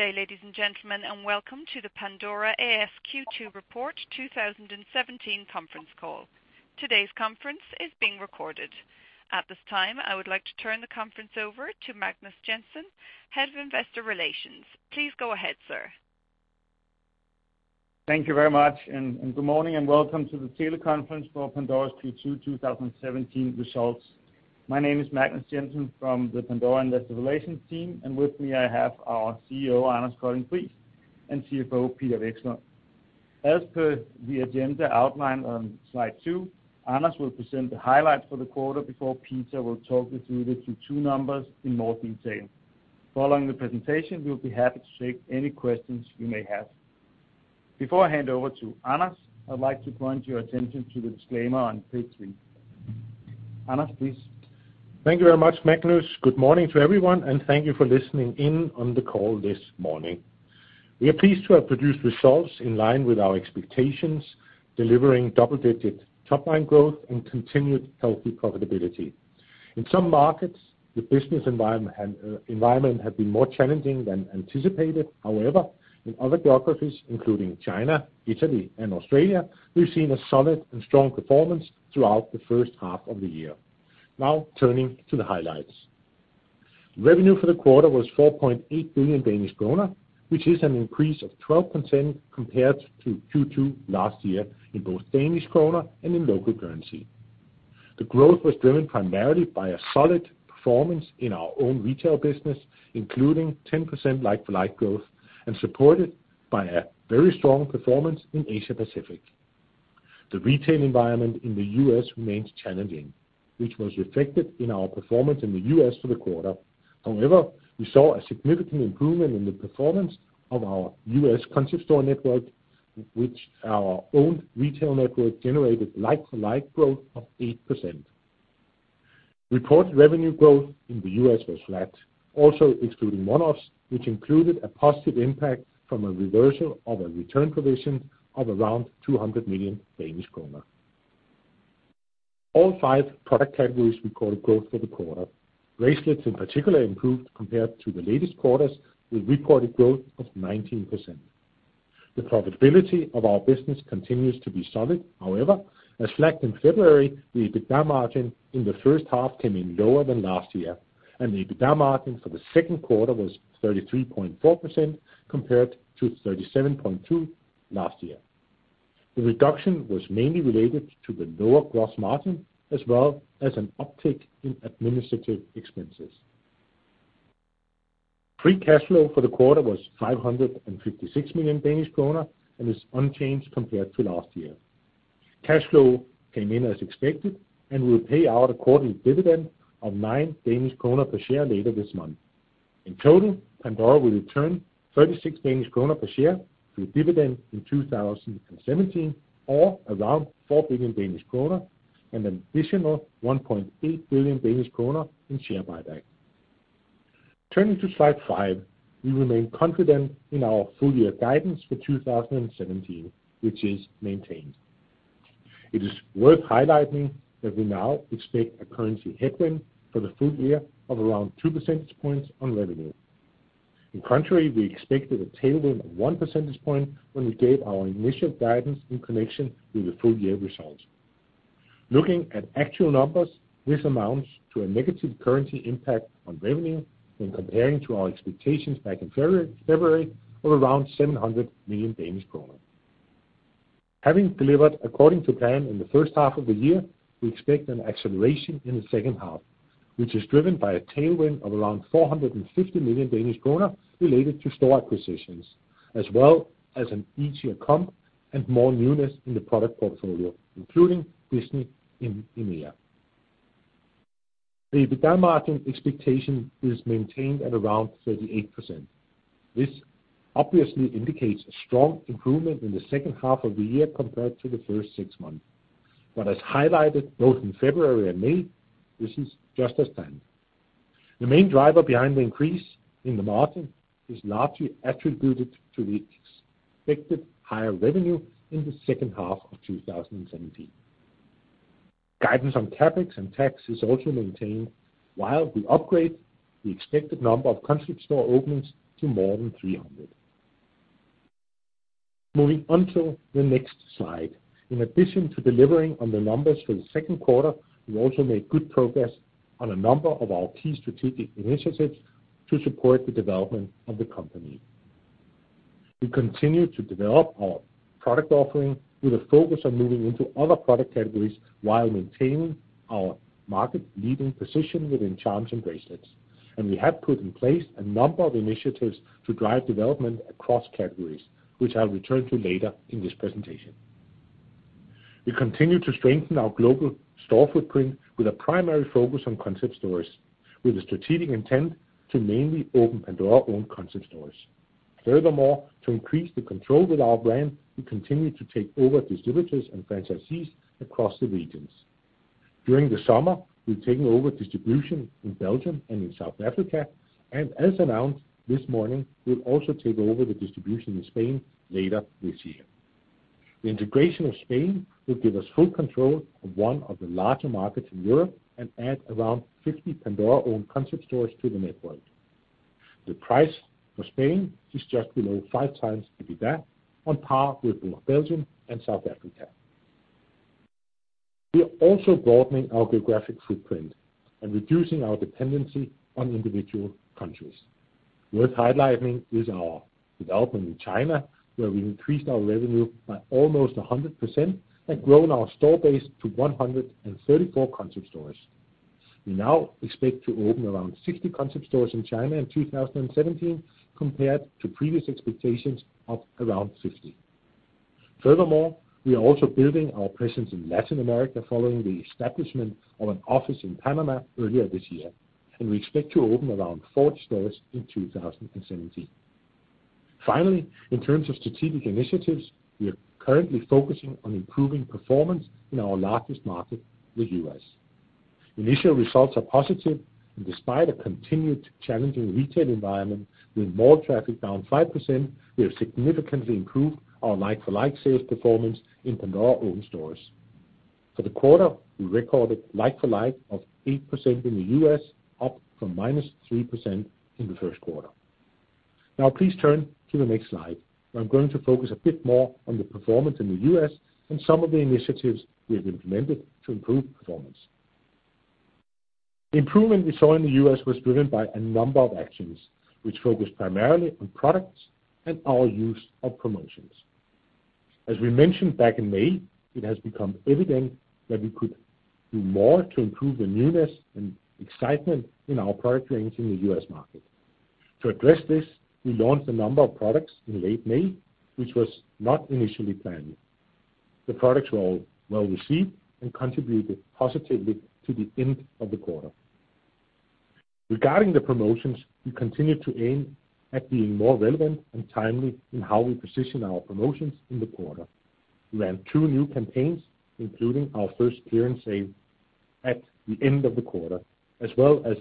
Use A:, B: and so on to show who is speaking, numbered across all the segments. A: Good day, ladies and gentlemen, and welcome to the Pandora A/S Q2 report 2017 conference call. Today's conference is being recorded. At this time, I would like to turn the conference over to Magnus Jensen, Head of Investor Relations. Please go ahead, sir.
B: Thank you very much, and good morning, and welcome to the teleconference for Pandora's Q2 2017 results. My name is Magnus Jensen from the Pandora Investor Relations team, and with me, I have our CEO, Anders Colding Friis, and CFO, Peter Vekslund. As per the agenda outlined on slide two, Anders will present the highlights for the quarter before Peter will talk you through the Q2 numbers in more detail. Following the presentation, we'll be happy to take any questions you may have. Before I hand over to Anders, I'd like to point your attention to the disclaimer on page three. Anders, please.
C: Thank you very much, Magnus. Good morning to everyone, and thank you for listening in on the call this morning. We are pleased to have produced results in line with our expectations, delivering double-digit top-line growth and continued healthy profitability. In some markets, the business environment had been more challenging than anticipated. However, in other geographies, including China, Italy, and Australia, we've seen a solid and strong performance throughout the first half of the year. Now, turning to the highlights. Revenue for the quarter was 4.8 billion Danish kroner, which is an increase of 12% compared to Q2 last year in both Danish kroner and in local currency. The growth was driven primarily by a solid performance in our own retail business, including 10% like-for-like growth, and supported by a very strong performance in Asia Pacific. The retail environment in the U.S. remains challenging, which was reflected in our performance in the U.S. for the quarter. However, we saw a significant improvement in the performance of our U.S. concept store network, which our own retail network generated like-for-like growth of 8%. Reported revenue growth in the U.S. was flat, also excluding one-offs, which included a positive impact from a reversal of a return provision of around 200 million Danish kroner. All five product categories recorded growth for the quarter. Bracelets in particular improved compared to the latest quarters, with reported growth of 19%. The profitability of our business continues to be solid, however, as flagged in February, the EBITDA margin in the first half came in lower than last year, and the EBITDA margin for the second quarter was 33.4%, compared to 37.2% last year. The reduction was mainly related to the lower gross margin, as well as an uptick in administrative expenses. Free cash flow for the quarter was 556 million Danish kroner and is unchanged compared to last year. Cash flow came in as expected, and we will pay out a quarterly dividend of 9 Danish kroner per share later this month. In total, Pandora will return 36 Danish kroner per share through dividend in 2017, or around 4 billion Danish kroner, and an additional 1.8 billion Danish kroner in share buyback. Turning to slide five, we remain confident in our full year guidance for 2017, which is maintained. It is worth highlighting that we now expect a currency headwind for the full year of around 2 percentage points on revenue. the contrary, we expected a tailwind of 1 percentage point when we gave our initial guidance in connection with the full year results. Looking at actual numbers, this amounts to a negative currency impact on revenue when comparing to our expectations back in February of around 700 million Danish kroner. Having delivered according to plan in the first half of the year, we expect an acceleration in the second half, which is driven by a tailwind of around 450 million Danish kroner related to store acquisitions, as well as an easier comp and more newness in the product portfolio, including Disney in EMEA. The EBITDA margin expectation is maintained at around 38%. This obviously indicates a strong improvement in the second half of the year compared to the first six months. But as highlighted both in February and May, this is just as planned. The main driver behind the increase in the margin is largely attributed to the expected higher revenue in the second half of 2017. Guidance on CapEx and tax is also maintained, while we upgrade the expected number of concept store openings to more than 300. Moving on to the next slide. In addition to delivering on the numbers for the second quarter, we also made good progress on a number of our key strategic initiatives to support the development of the company. We continue to develop our product offering with a focus on moving into other product categories while maintaining our market-leading position within charms and bracelets. We have put in place a number of initiatives to drive development across categories, which I'll return to later in this presentation. We continue to strengthen our global store footprint with a primary focus on concept stores, with a strategic intent to mainly open Pandora-owned concept stores. Furthermore, to increase the control with our brand, we continue to take over distributors and franchisees across the regions. During the summer, we've taken over distribution in Belgium and in South Africa, and as announced this morning, we'll also take over the distribution in Spain later this year. The integration of Spain will give us full control of one of the larger markets in Europe and add around 50 Pandora-owned concept stores to the network. The price for Spain is just below 5x EBITDA, on par with both Belgium and South Africa. We are also broadening our geographic footprint and reducing our dependency on individual countries. Worth highlighting is our development in China, where we increased our revenue by almost 100% and grown our store base to 134 concept stores. We now expect to open around 60 concept stores in China in 2017, compared to previous expectations of around 50. Furthermore, we are also building our presence in Latin America following the establishment of an office in Panama earlier this year, and we expect to open around four stores in 2017. Finally, in terms of strategic initiatives, we are currently focusing on improving performance in our largest market, the U.S. Initial results are positive, and despite a continued challenging retail environment, with mall traffic down 5%, we have significantly improved our like-for-like sales performance in Pandora-owned stores. For the quarter, we recorded like-for-like of 8% in the U.S., up from -3% in the first quarter. Now please turn to the next slide, where I'm going to focus a bit more on the performance in the U.S. and some of the initiatives we have implemented to improve performance. The improvement we saw in the U.S. was driven by a number of actions, which focused primarily on products and our use of promotions. As we mentioned back in May, it has become evident that we could do more to improve the newness and excitement in our product range in the U.S. market. To address this, we launched a number of products in late May, which was not initially planned. The products were all well received and contributed positively to the end of the quarter. Regarding the promotions, we continued to aim at being more relevant and timely in how we position our promotions in the quarter. We ran two new campaigns, including our first clearance sale at the end of the quarter, as well as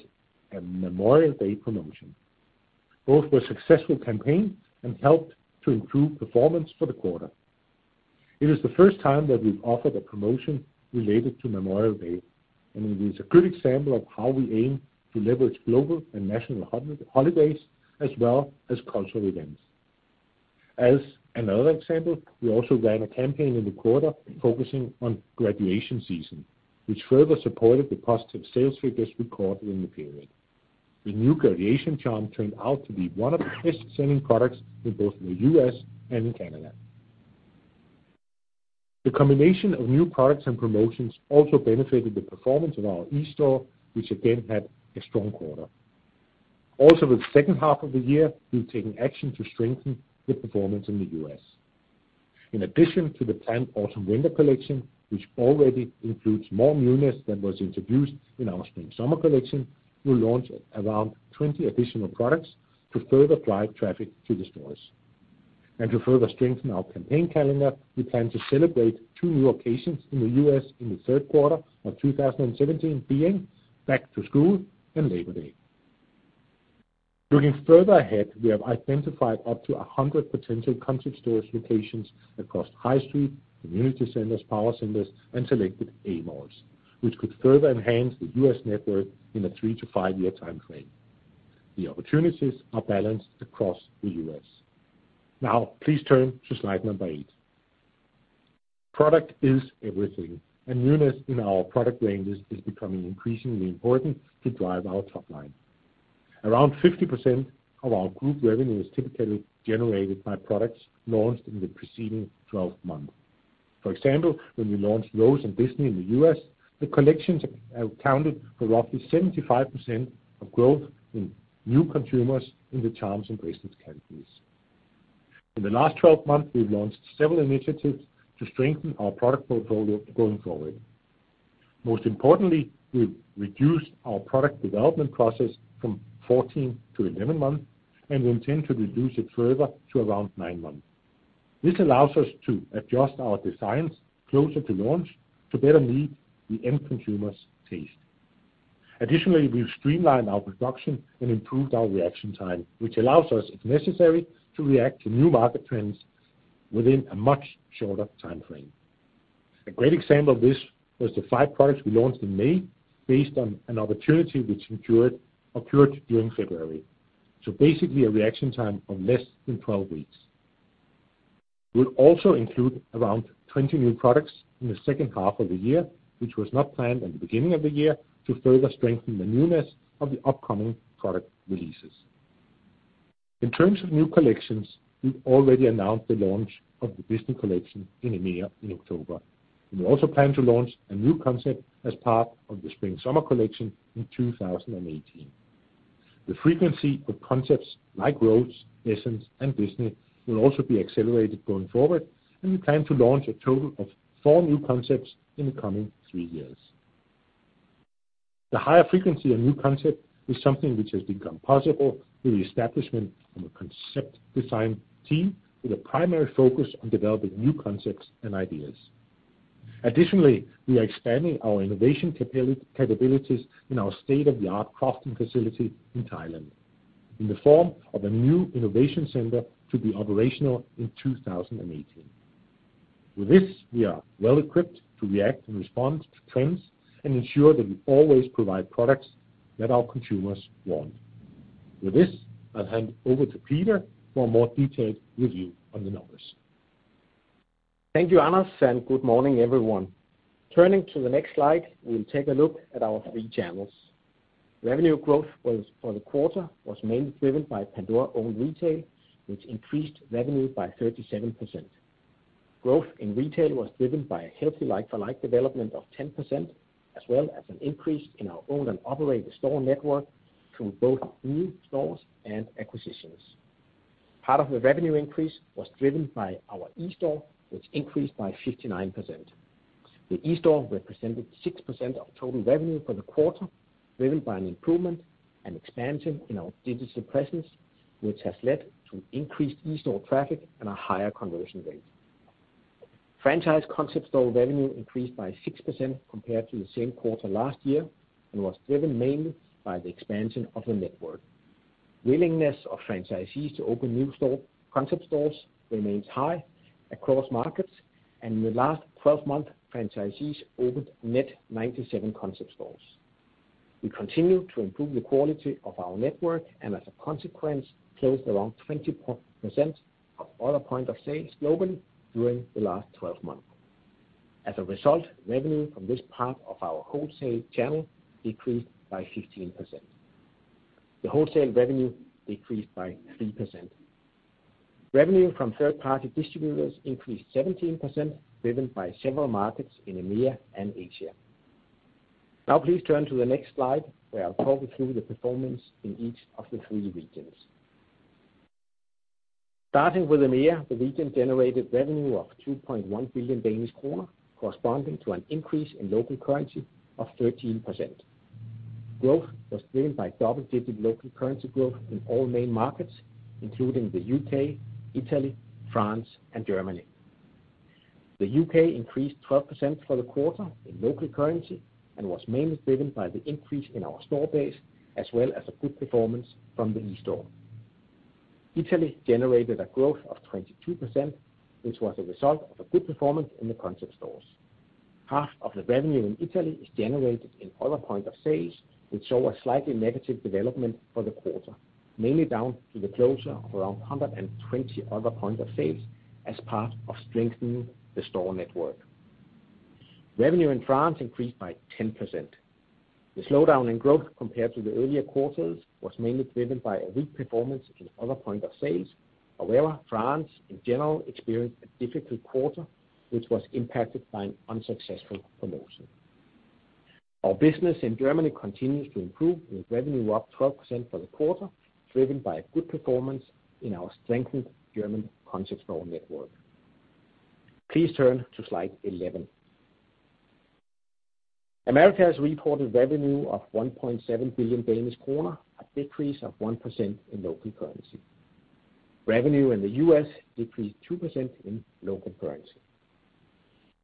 C: a Memorial Day promotion. Both were successful campaigns and helped to improve performance for the quarter. It is the first time that we've offered a promotion related to Memorial Day, and it is a good example of how we aim to leverage global and national holidays, as well as cultural events. As another example, we also ran a campaign in the quarter focusing on graduation season, which further supported the positive sales figures we recorded in the period. The new graduation charms turned out to be one of the best-selling products in both the U.S. and in Canada. The combination of new products and promotions also benefited the performance of our eSTORE, which, again, had a strong quarter. Also, in the second half of the year, we've taken action to strengthen the performance in the U.S. In addition to the planned autumn/winter collection, which already includes more newness than was introduced in our spring/summer collection, we'll launch around 20 additional products to further drive traffic to the stores. To further strengthen our campaign calendar, we plan to celebrate two new occasions in the U.S. in the third quarter of 2017, being Back to School and Labor Day. Looking further ahead, we have identified up to 100 potential Concept Store locations across high street, community centers, power centers, and selected A malls, which could further enhance the U.S. network in a three to five-year time frame. The opportunities are balanced across the U.S. Now, please turn to slide number 8. Product is everything, and newness in our product ranges is becoming increasingly important to drive our top line. Around 50% of our group revenue is typically generated by products launched in the preceding 12 months. For example, when we launched Rose and Disney in the U.S., the collections accounted for roughly 75% of growth in new consumers in the charms and bracelets categories. In the last 12 months, we've launched several initiatives to strengthen our product portfolio going forward. Most importantly, we've reduced our product development process from 14 to 11 months, and we intend to reduce it further to around nine months. This allows us to adjust our designs closer to launch to better meet the end consumer's taste. Additionally, we've streamlined our production and improved our reaction time, which allows us, if necessary, to react to new market trends within a much shorter time frame. A great example of this was the 5 products we launched in May based on an opportunity which occurred during February. So basically, a reaction time of less than 12 weeks. We'll also include around 20 new products in the second half of the year, which was not planned in the beginning of the year, to further strengthen the newness of the upcoming product releases. In terms of new collections, we've already announced the launch of the Disney collection in EMEA in October. We also plan to launch a new concept as part of the spring/summer collection in 2018. The frequency of concepts like Rose, Essence, and Disney will also be accelerated going forward, and we plan to launch a total of four new concepts in the coming three years. The higher frequency of new concept is something which has become possible with the establishment of a concept design team, with a primary focus on developing new concepts and ideas. Additionally, we are expanding our innovation capabilities in our state-of-the-art crafting facility in Thailand, in the form of a new innovation center to be operational in 2018. With this, we are well-equipped to react and respond to trends and ensure that we always provide products that our consumers want. With this, I'll hand over to Peter for a more detailed review on the numbers.
D: Thank you, Anders, and good morning, everyone. Turning to the next slide, we'll take a look at our three channels. Revenue growth was, for the quarter, mainly driven by Pandora Owned Retail, which increased revenue by 37%. Growth in retail was driven by a healthy like-for-like development of 10%, as well as an increase in our owned and operated store network through both new stores and acquisitions. Part of the revenue increase was driven by our eSTORE, which increased by 59%. The eSTORE represented 6% of total revenue for the quarter, driven by an improvement and expansion in our digital presence, which has led to increased eSTORE traffic and a higher conversion rate. Franchise concept store revenue increased by 6% compared to the same quarter last year, and was driven mainly by the expansion of the network. Willingness of franchisees to open new store, concept stores remains high across markets, and in the last 12 months, franchisees opened net 97 concept stores. We continue to improve the quality of our network and as a consequence, closed around 20% of other point of sales globally during the last 12 months. As a result, revenue from this part of our wholesale channel decreased by 15%. The wholesale revenue decreased by 3%. Revenue from third-party distributors increased 17%, driven by several markets in EMEA and Asia. Now please turn to the next slide, where I'll talk you through the performance in each of the three regions. Starting with EMEA, the region generated revenue of 2.1 billion Danish kroner, corresponding to an increase in local currency of 13%. Growth was driven by double-digit local currency growth in all main markets, including the U.K., Italy, France, and Germany. The U.K. increased 12% for the quarter in local currency and was mainly driven by the increase in our store base, as well as a good performance from the eSTORE. Italy generated a growth of 22%, which was a result of a good performance in the concept stores. Half of the revenue in Italy is generated in other points of sale, which show a slightly negative development for the quarter, mainly down to the closure of around 120 other points of sale as part of strengthening the store network. Revenue in France increased by 10%. The slowdown in growth compared to the earlier quarters was mainly driven by a weak performance in other points of sale. However, France in general experienced a difficult quarter, which was impacted by an unsuccessful promotion. Our business in Germany continues to improve, with revenue up 12% for the quarter, driven by a good performance in our strengthened German concept store network. Please turn to slide 11. Americas reported revenue of 1.7 billion Danish kroner, a decrease of 1% in local currency. Revenue in the U.S. decreased 2% in local currency.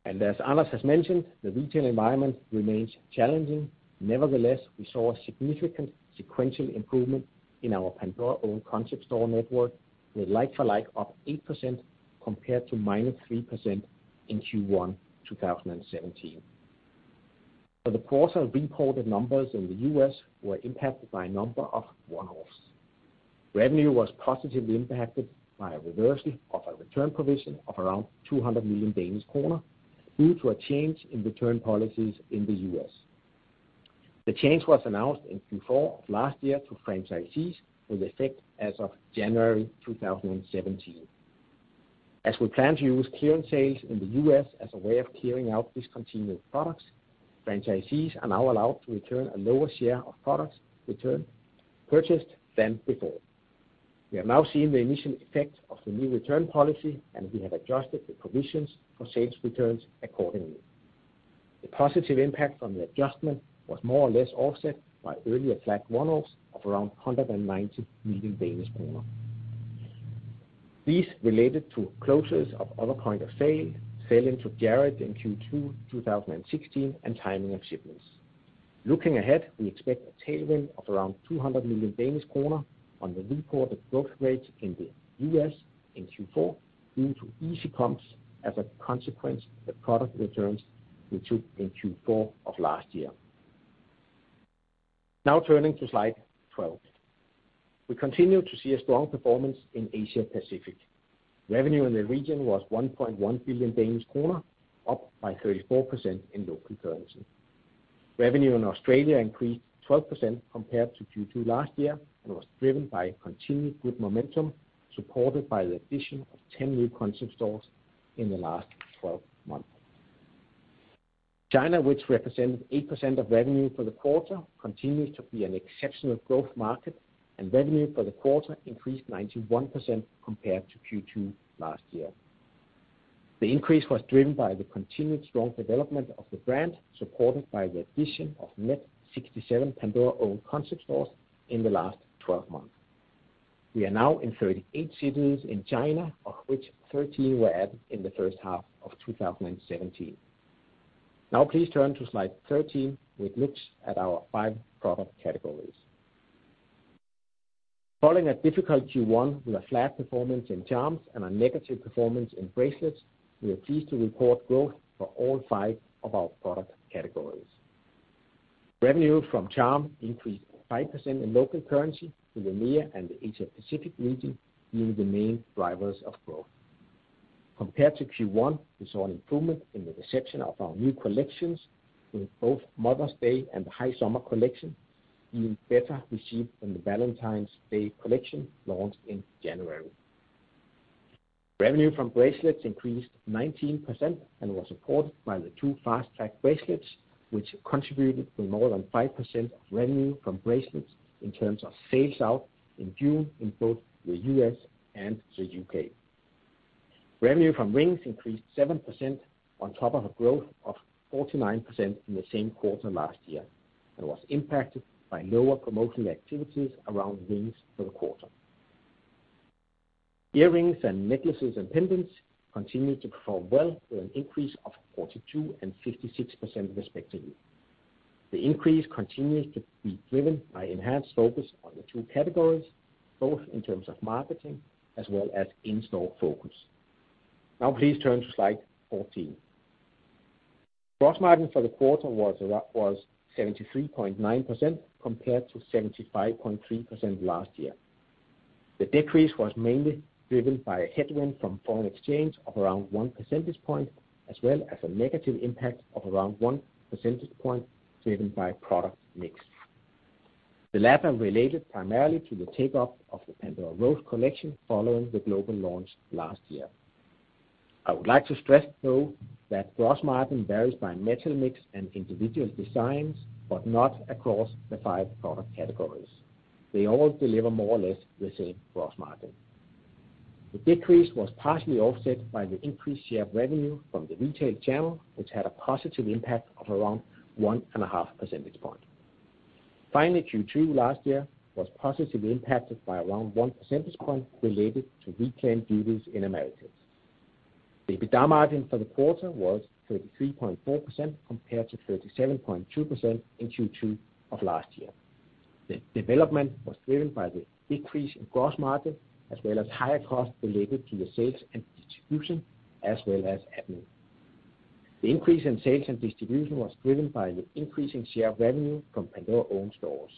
D: And as Anders has mentioned, the retail environment remains challenging. Nevertheless, we saw a significant sequential improvement in our Pandora owned concept store network, with like-for-like up 8% compared to -3% in Q1 2017. For the quarter, reported numbers in the U.S. were impacted by a number of one-offs. Revenue was positively impacted by a reversal of a return provision of around 200 million Danish kroner, due to a change in return policies in the U.S. The change was announced in Q4 of last year to franchisees, with effect as of January 2017. As we plan to use clearance sales in the U.S. as a way of clearing out discontinued products, franchisees are now allowed to return a lower share of products returned, purchased than before. We are now seeing the initial effect of the new return policy, and we have adjusted the provisions for sales returns accordingly. The positive impact from the adjustment was more or less offset by earlier flagged one-offs of around 190 million Danish kroner. These related to closures of other point of sale, selling to Jared in Q2 2016, and timing of shipments. Looking ahead, we expect a tailwind of around 200 million Danish kroner on the reported growth rate in the U.S. in Q4, due to easy comps as a consequence of the product returns we took in Q4 of last year. Now turning to slide 12. We continue to see a strong performance in Asia Pacific. Revenue in the region was 1.1 billion Danish kroner, up by 34% in local currency. Revenue in Australia increased 12% compared to Q2 last year, and was driven by continued good momentum, supported by the addition of 10 new concept stores in the last 12 months. China, which represents 8% of revenue for the quarter, continues to be an exceptional growth market, and revenue for the quarter increased 91% compared to Q2 last year. The increase was driven by the continued strong development of the brand, supported by the addition of net 67 Pandora owned concept stores in the last 12 months. We are now in 38 cities in China, of which 13 were added in the first half of 2017. Now please turn to slide 13, which looks at our five product categories. Following a difficult Q1 with a flat performance in charms and a negative performance in bracelets, we are pleased to report growth for all five of our product categories. Revenue from charm increased 5% in local currency, with EMEA and the Asia Pacific region being the main drivers of growth. Compared to Q1, we saw an improvement in the reception of our new collections, with both Mother's Day and the High Summer collection being better received than the Valentine's Day collection launched in January. Revenue from bracelets increased 19% and was supported by the two fast track bracelets, which contributed to more than 5% of revenue from bracelets in terms of sales out in June in both the U.S. and the U.K. Revenue from rings increased 7% on top of a growth of 49% in the same quarter last year, and was impacted by lower promotional activities around rings for the quarter. Earrings, necklaces, and pendants continued to perform well, with an increase of 42% and 56%, respectively. The increase continues to be driven by enhanced focus on the two categories, both in terms of marketing as well as in-store focus. Now please turn to slide 14. Gross margin for the quarter was 73.9%, compared to 75.3% last year. The decrease was mainly driven by a headwind from foreign exchange of around 1 percentage point, as well as a negative impact of around 1 percentage point driven by product mix. The latter related primarily to the take up of the Pandora Rose collection following the global launch last year. I would like to stress, though, that gross margin varies by metal mix and individual designs, but not across the five product categories. They all deliver more or less the same gross margin. The decrease was partially offset by the increased share of revenue from the retail channel, which had a positive impact of around 1.5 percentage point. Finally, Q2 last year was positively impacted by around 1 percentage point related to reclaimed duties in Americas. The EBITDA margin for the quarter was 33.4%, compared to 37.2% in Q2 of last year. The development was driven by the decrease in gross margin, as well as higher costs related to the sales and distribution, as well as admin. The increase in sales and distribution was driven by the increasing share of revenue from Pandora-owned stores.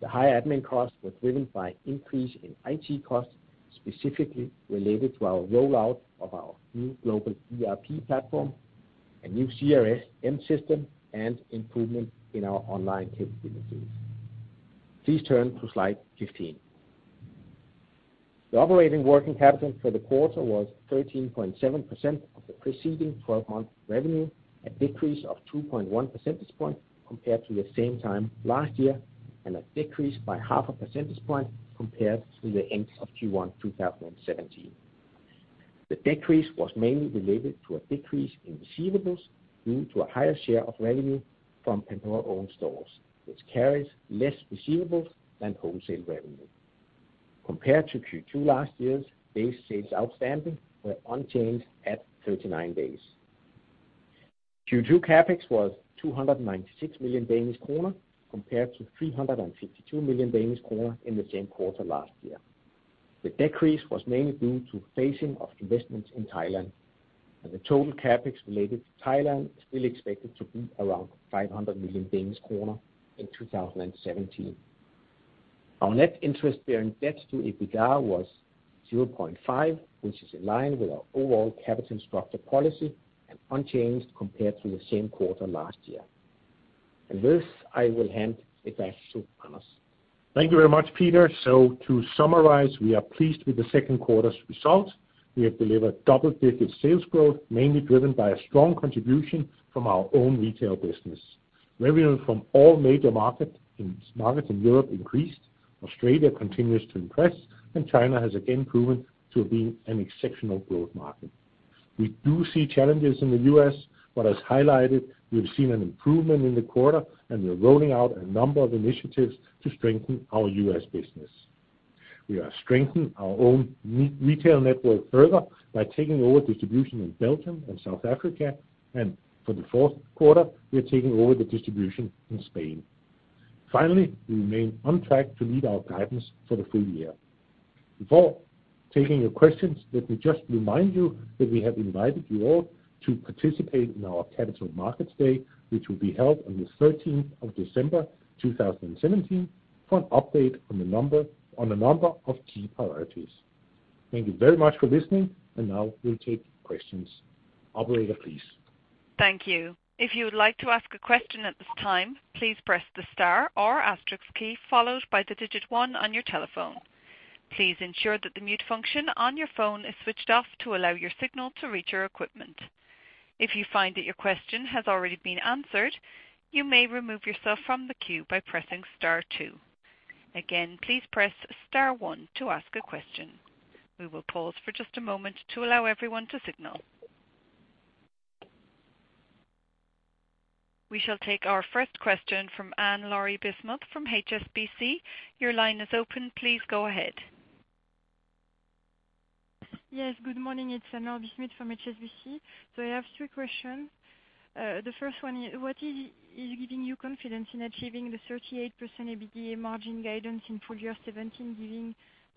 D: The higher admin costs were driven by increase in IT costs, specifically related to our rollout of our new global ERP platform, a new CRM system, and improvement in our online capabilities. Please turn to slide 15. The operating working capital for the quarter was 13.7% of the preceding twelve-month revenue, a decrease of 2.1 percentage points compared to the same time last year, and a decrease by 0.5 percentage points compared to the end of Q1 2017. The decrease was mainly related to a decrease in receivables, due to a higher share of revenue from Pandora-owned stores, which carries less receivables than wholesale revenue. Compared to Q2 last year's, days sales outstanding were unchanged at 39 days. Q2 CapEx was 296 million Danish kroner, compared to 352 million Danish kroner in the same quarter last year. The decrease was mainly due to phasing of investments in Thailand, and the total CapEx related to Thailand is still expected to be around 500 million Danish kroner in 2017. Our net interest bearing debt to EBITDA was 0.5, which is in line with our overall capital structure policy, and unchanged compared to the same quarter last year. With this, I will hand it back to Anders.
C: Thank you very much, Peter. So to summarize, we are pleased with the second quarter's results. We have delivered double-digit sales growth, mainly driven by a strong contribution from our own retail business. Revenue from all major market, in markets in Europe increased, Australia continues to impress, and China has again proven to have been an exceptional growth market. We do see challenges in the U.S., but as highlighted, we have seen an improvement in the quarter, and we are rolling out a number of initiatives to strengthen our U.S. business. We are strengthening our own retail network further by taking over distribution in Belgium and South Africa, and for the fourth quarter, we are taking over the distribution in Spain. Finally, we remain on track to meet our guidance for the full year. Before taking your questions, let me just remind you that we have invited you all to participate in our Capital Markets Day, which will be held on the thirteenth of December, 2017, for an update on a number of key priorities. Thank you very much for listening, and now we'll take questions. Operator, please.
A: Thank you. If you would like to ask a question at this time, please press the star or asterisk key followed by the digit one on your telephone. Please ensure that the mute function on your phone is switched off to allow your signal to reach our equipment. If you find that your question has already been answered, you may remove yourself from the queue by pressing star two. Again, please press star one to ask a question. We will pause for just a moment to allow everyone to signal. We shall take our first question from Anne-Laure Bismuth from HSBC. Your line is open, please go ahead.
E: Yes, good morning. It's Anne-Laure Bismuth from HSBC. So I have three questions. The first one is, what is giving you confidence in achieving the 38% EBITDA margin guidance in full year 2017, given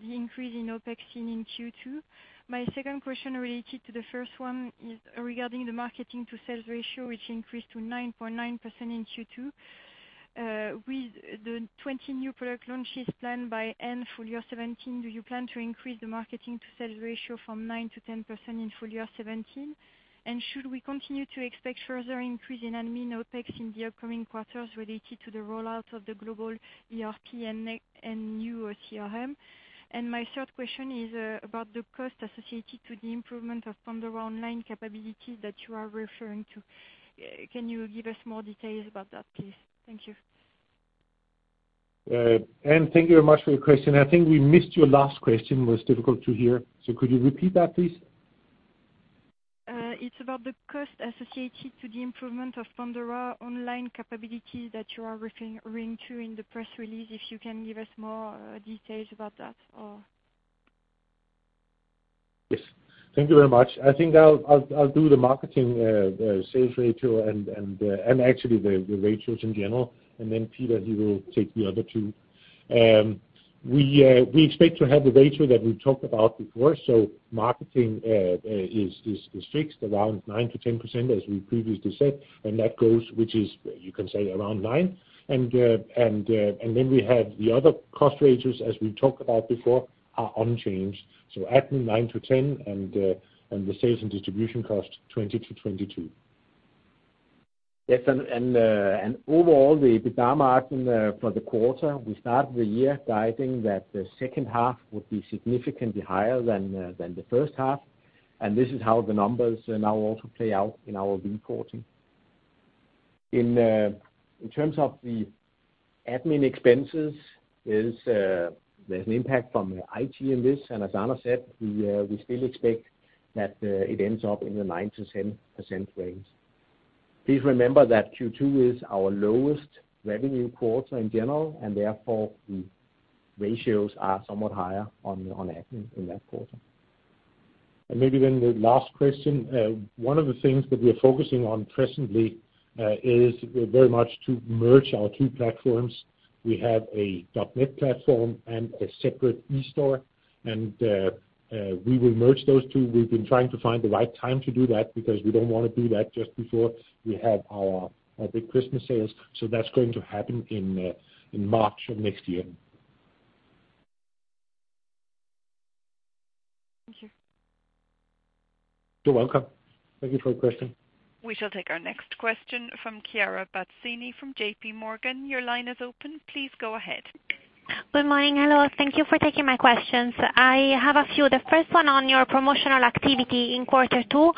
E: the increase in OpEx seen in Q2? My second question related to the first one is regarding the marketing to sales ratio, which increased to 9.9% in Q2. With the 20 new product launches planned by end full year 2017, do you plan to increase the marketing to sales ratio from 9%-10% in full year 2017? And should we continue to expect further increase in admin OpEx in the upcoming quarters related to the rollout of the global ERP and new CRM? And my third question is about the cost associated to the improvement of Pandora online capability that you are referring to. Can you give us more details about that, please? Thank you.
C: Anne, thank you very much for your question. I think we missed your last question, was difficult to hear. Could you repeat that, please?
E: It's about the cost associated to the improvement of Pandora online capability that you are referring to in the press release, if you can give us more details about that, or?
C: Yes. Thank you very much. I think I'll do the marketing sales ratio and actually the ratios in general. And then Peter, he will take the other two. We expect to have the ratio that we talked about before, so marketing is fixed around 9%-10%, as we previously said, and that grows, which is, you can say around 9%. And then we have the other cost ratios, as we talked about before, are unchanged. So admin, 9%-10%, and the sales and distribution cost, 20%-22%.
D: Yes, and overall, the EBITDA margin for the quarter, we started the year guiding that the second half would be significantly higher than the first half, and this is how the numbers now also play out in our reporting. In terms of the admin expenses, there's an impact from IT in this, and as Anders said, we still expect that it ends up in the 9%-10% range. Please remember that Q2 is our lowest revenue quarter in general, and therefore, the ratios are somewhat higher on admin in that quarter.
C: Maybe then the last question. One of the things that we are focusing on presently is very much to merge our two platforms. We have a .net platform and a separate eSTORE, and we will merge those two. We've been trying to find the right time to do that, because we don't want to do that just before we have our big Christmas sales. So that's going to happen in March of next year.
E: Thank you.
C: You're welcome. Thank you for your question.
A: We shall take our next question from Chiara Battistini from JPMorgan. Your line is open, please go ahead.
F: Good morning, hello. Thank you for taking my questions. I have a few. The first one on your promotional activity in quarter two,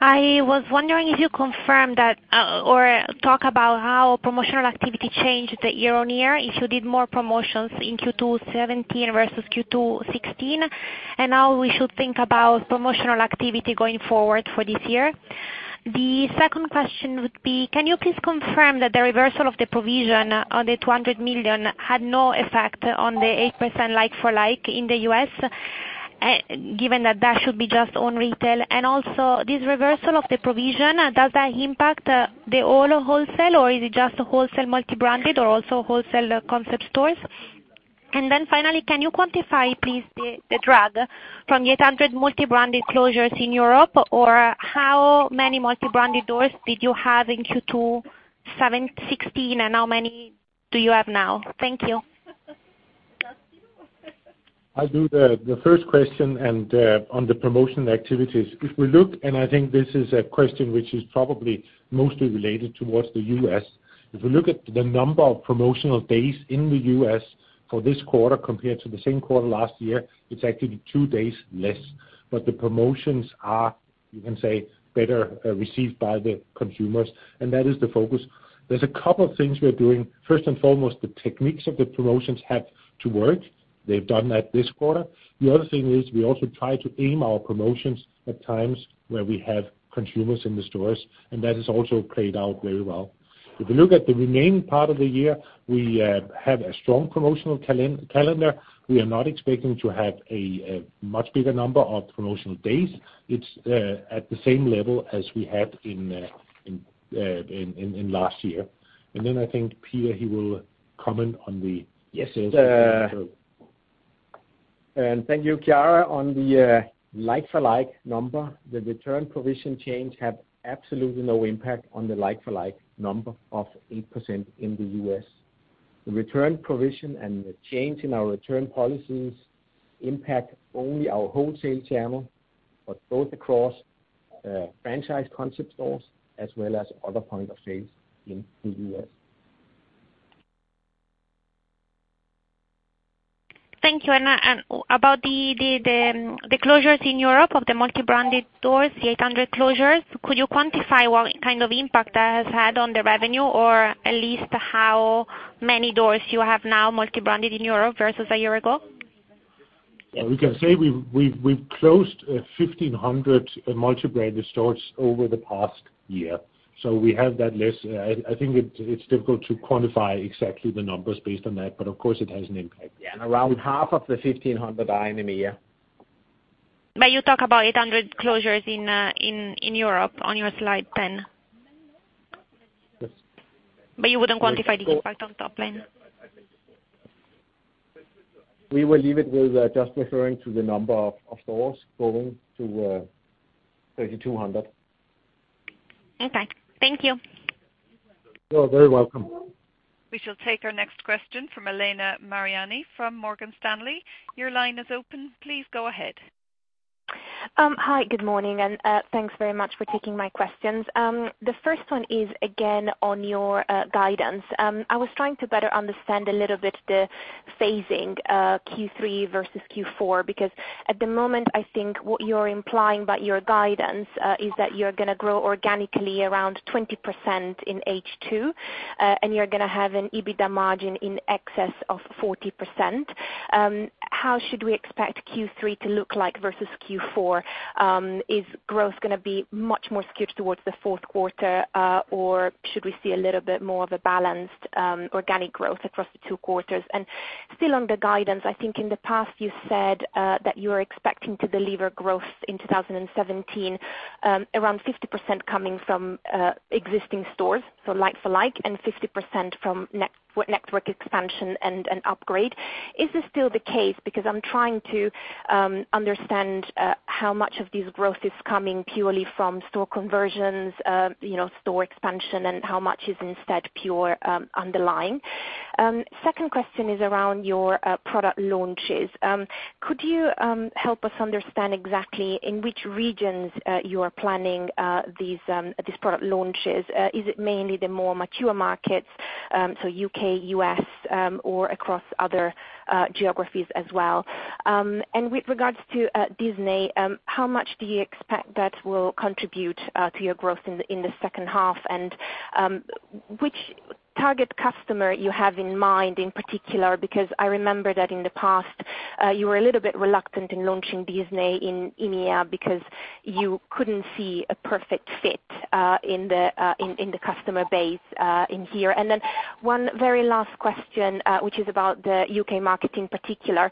F: I was wondering if you confirm that, or talk about how promotional activity changed the year-on-year, if you did more promotions in Q2 2017 versus Q2 2016? And how we should think about promotional activity going forward for this year. The second question would be, can you please confirm that the reversal of the provision on the 200 million had no effect on the 8% like-for-like in the U.S., given that that should be just on retail? And also, this reversal of the provision, does that impact the all wholesale, or is it just wholesale multi-branded or also wholesale concept stores? Then finally, can you quantify, please, the drag from the 800 multi-branded closures in Europe, or how many multi-branded stores did you have in Q2 2017, 2016, and how many do you have now? Thank you.
C: I'll do the first question, and on the promotional activities. If we look, and I think this is a question which is probably mostly related towards the U.S. If we look at the number of promotional days in the U.S. for this quarter compared to the same quarter last year, it's actually two days less. But the promotions are, you can say, better received by the consumers, and that is the focus. There's a couple of things we are doing. First and foremost, the techniques of the promotions have to work. They've done that this quarter. The other thing is we also try to aim our promotions at times where we have consumers in the stores, and that has also played out very well. If you look at the remaining part of the year, we have a strong promotional calendar. We are not expecting to have a much bigger number of promotional days. It's at the same level as we had in last year. And then I think Peter, he will comment on the-
D: Yes, and thank you, Chiara. On the like-for-like number, the return provision change had absolutely no impact on the like-for-like number of 8% in the U.S. The return provision and the change in our return policies impact only our wholesale channel, but both across franchise concept stores as well as other points of sale in the U.S.
F: Thank you. And about the closures in Europe of the multi-branded stores, the 800 closures, could you quantify what kind of impact that has had on the revenue, or at least how many doors you have now multi-branded in Europe versus a year ago?
C: We can say we've closed 1,500 multi-branded stores over the past year. So we have that list. I think it's difficult to quantify exactly the numbers based on that, but of course it has an impact.
D: Yeah, and around half of the 1,500 are in EMEA.
G: But you talk about 800 closures in Europe on your slide 10. But you wouldn't quantify the impact on top line?
D: We will leave it with just referring to the number of stores going to 3,200.
G: Okay. Thank you.
C: You are very welcome.
A: We shall take our next question from Elena Mariani, from Morgan Stanley. Your line is open. Please go ahead.
G: Hi, good morning, and thanks very much for taking my questions. The first one is, again, on your guidance. I was trying to better understand a little bit the phasing of Q3 versus Q4, because at the moment, I think what you're implying by your guidance is that you're gonna grow organically around 20% in H2, and you're gonna have an EBITDA margin in excess of 40%. How should we expect Q3 to look like versus Q4? Is growth gonna be much more skewed towards the fourth quarter, or should we see a little bit more of a balanced organic growth across the two quarters? Still on the guidance, I think in the past you said that you were expecting to deliver growth in 2017, around 50% coming from existing stores, so like-for-like, and 50% from network expansion and upgrade. Is this still the case? Because I'm trying to understand how much of this growth is coming purely from store conversions, you know, store expansion, and how much is instead pure underlying. Second question is around your product launches. Could you help us understand exactly in which regions you are planning these product launches? Is it mainly the more mature markets, so U.K., U.S., or across other geographies as well? And with regards to Disney, how much do you expect that will contribute to your growth in the second half? And which target customer you have in mind in particular? Because I remember that in the past you were a little bit reluctant in launching Disney in EMEA because you couldn't see a perfect fit in the customer base in here. And then one very last question, which is about the U.K. market in particular.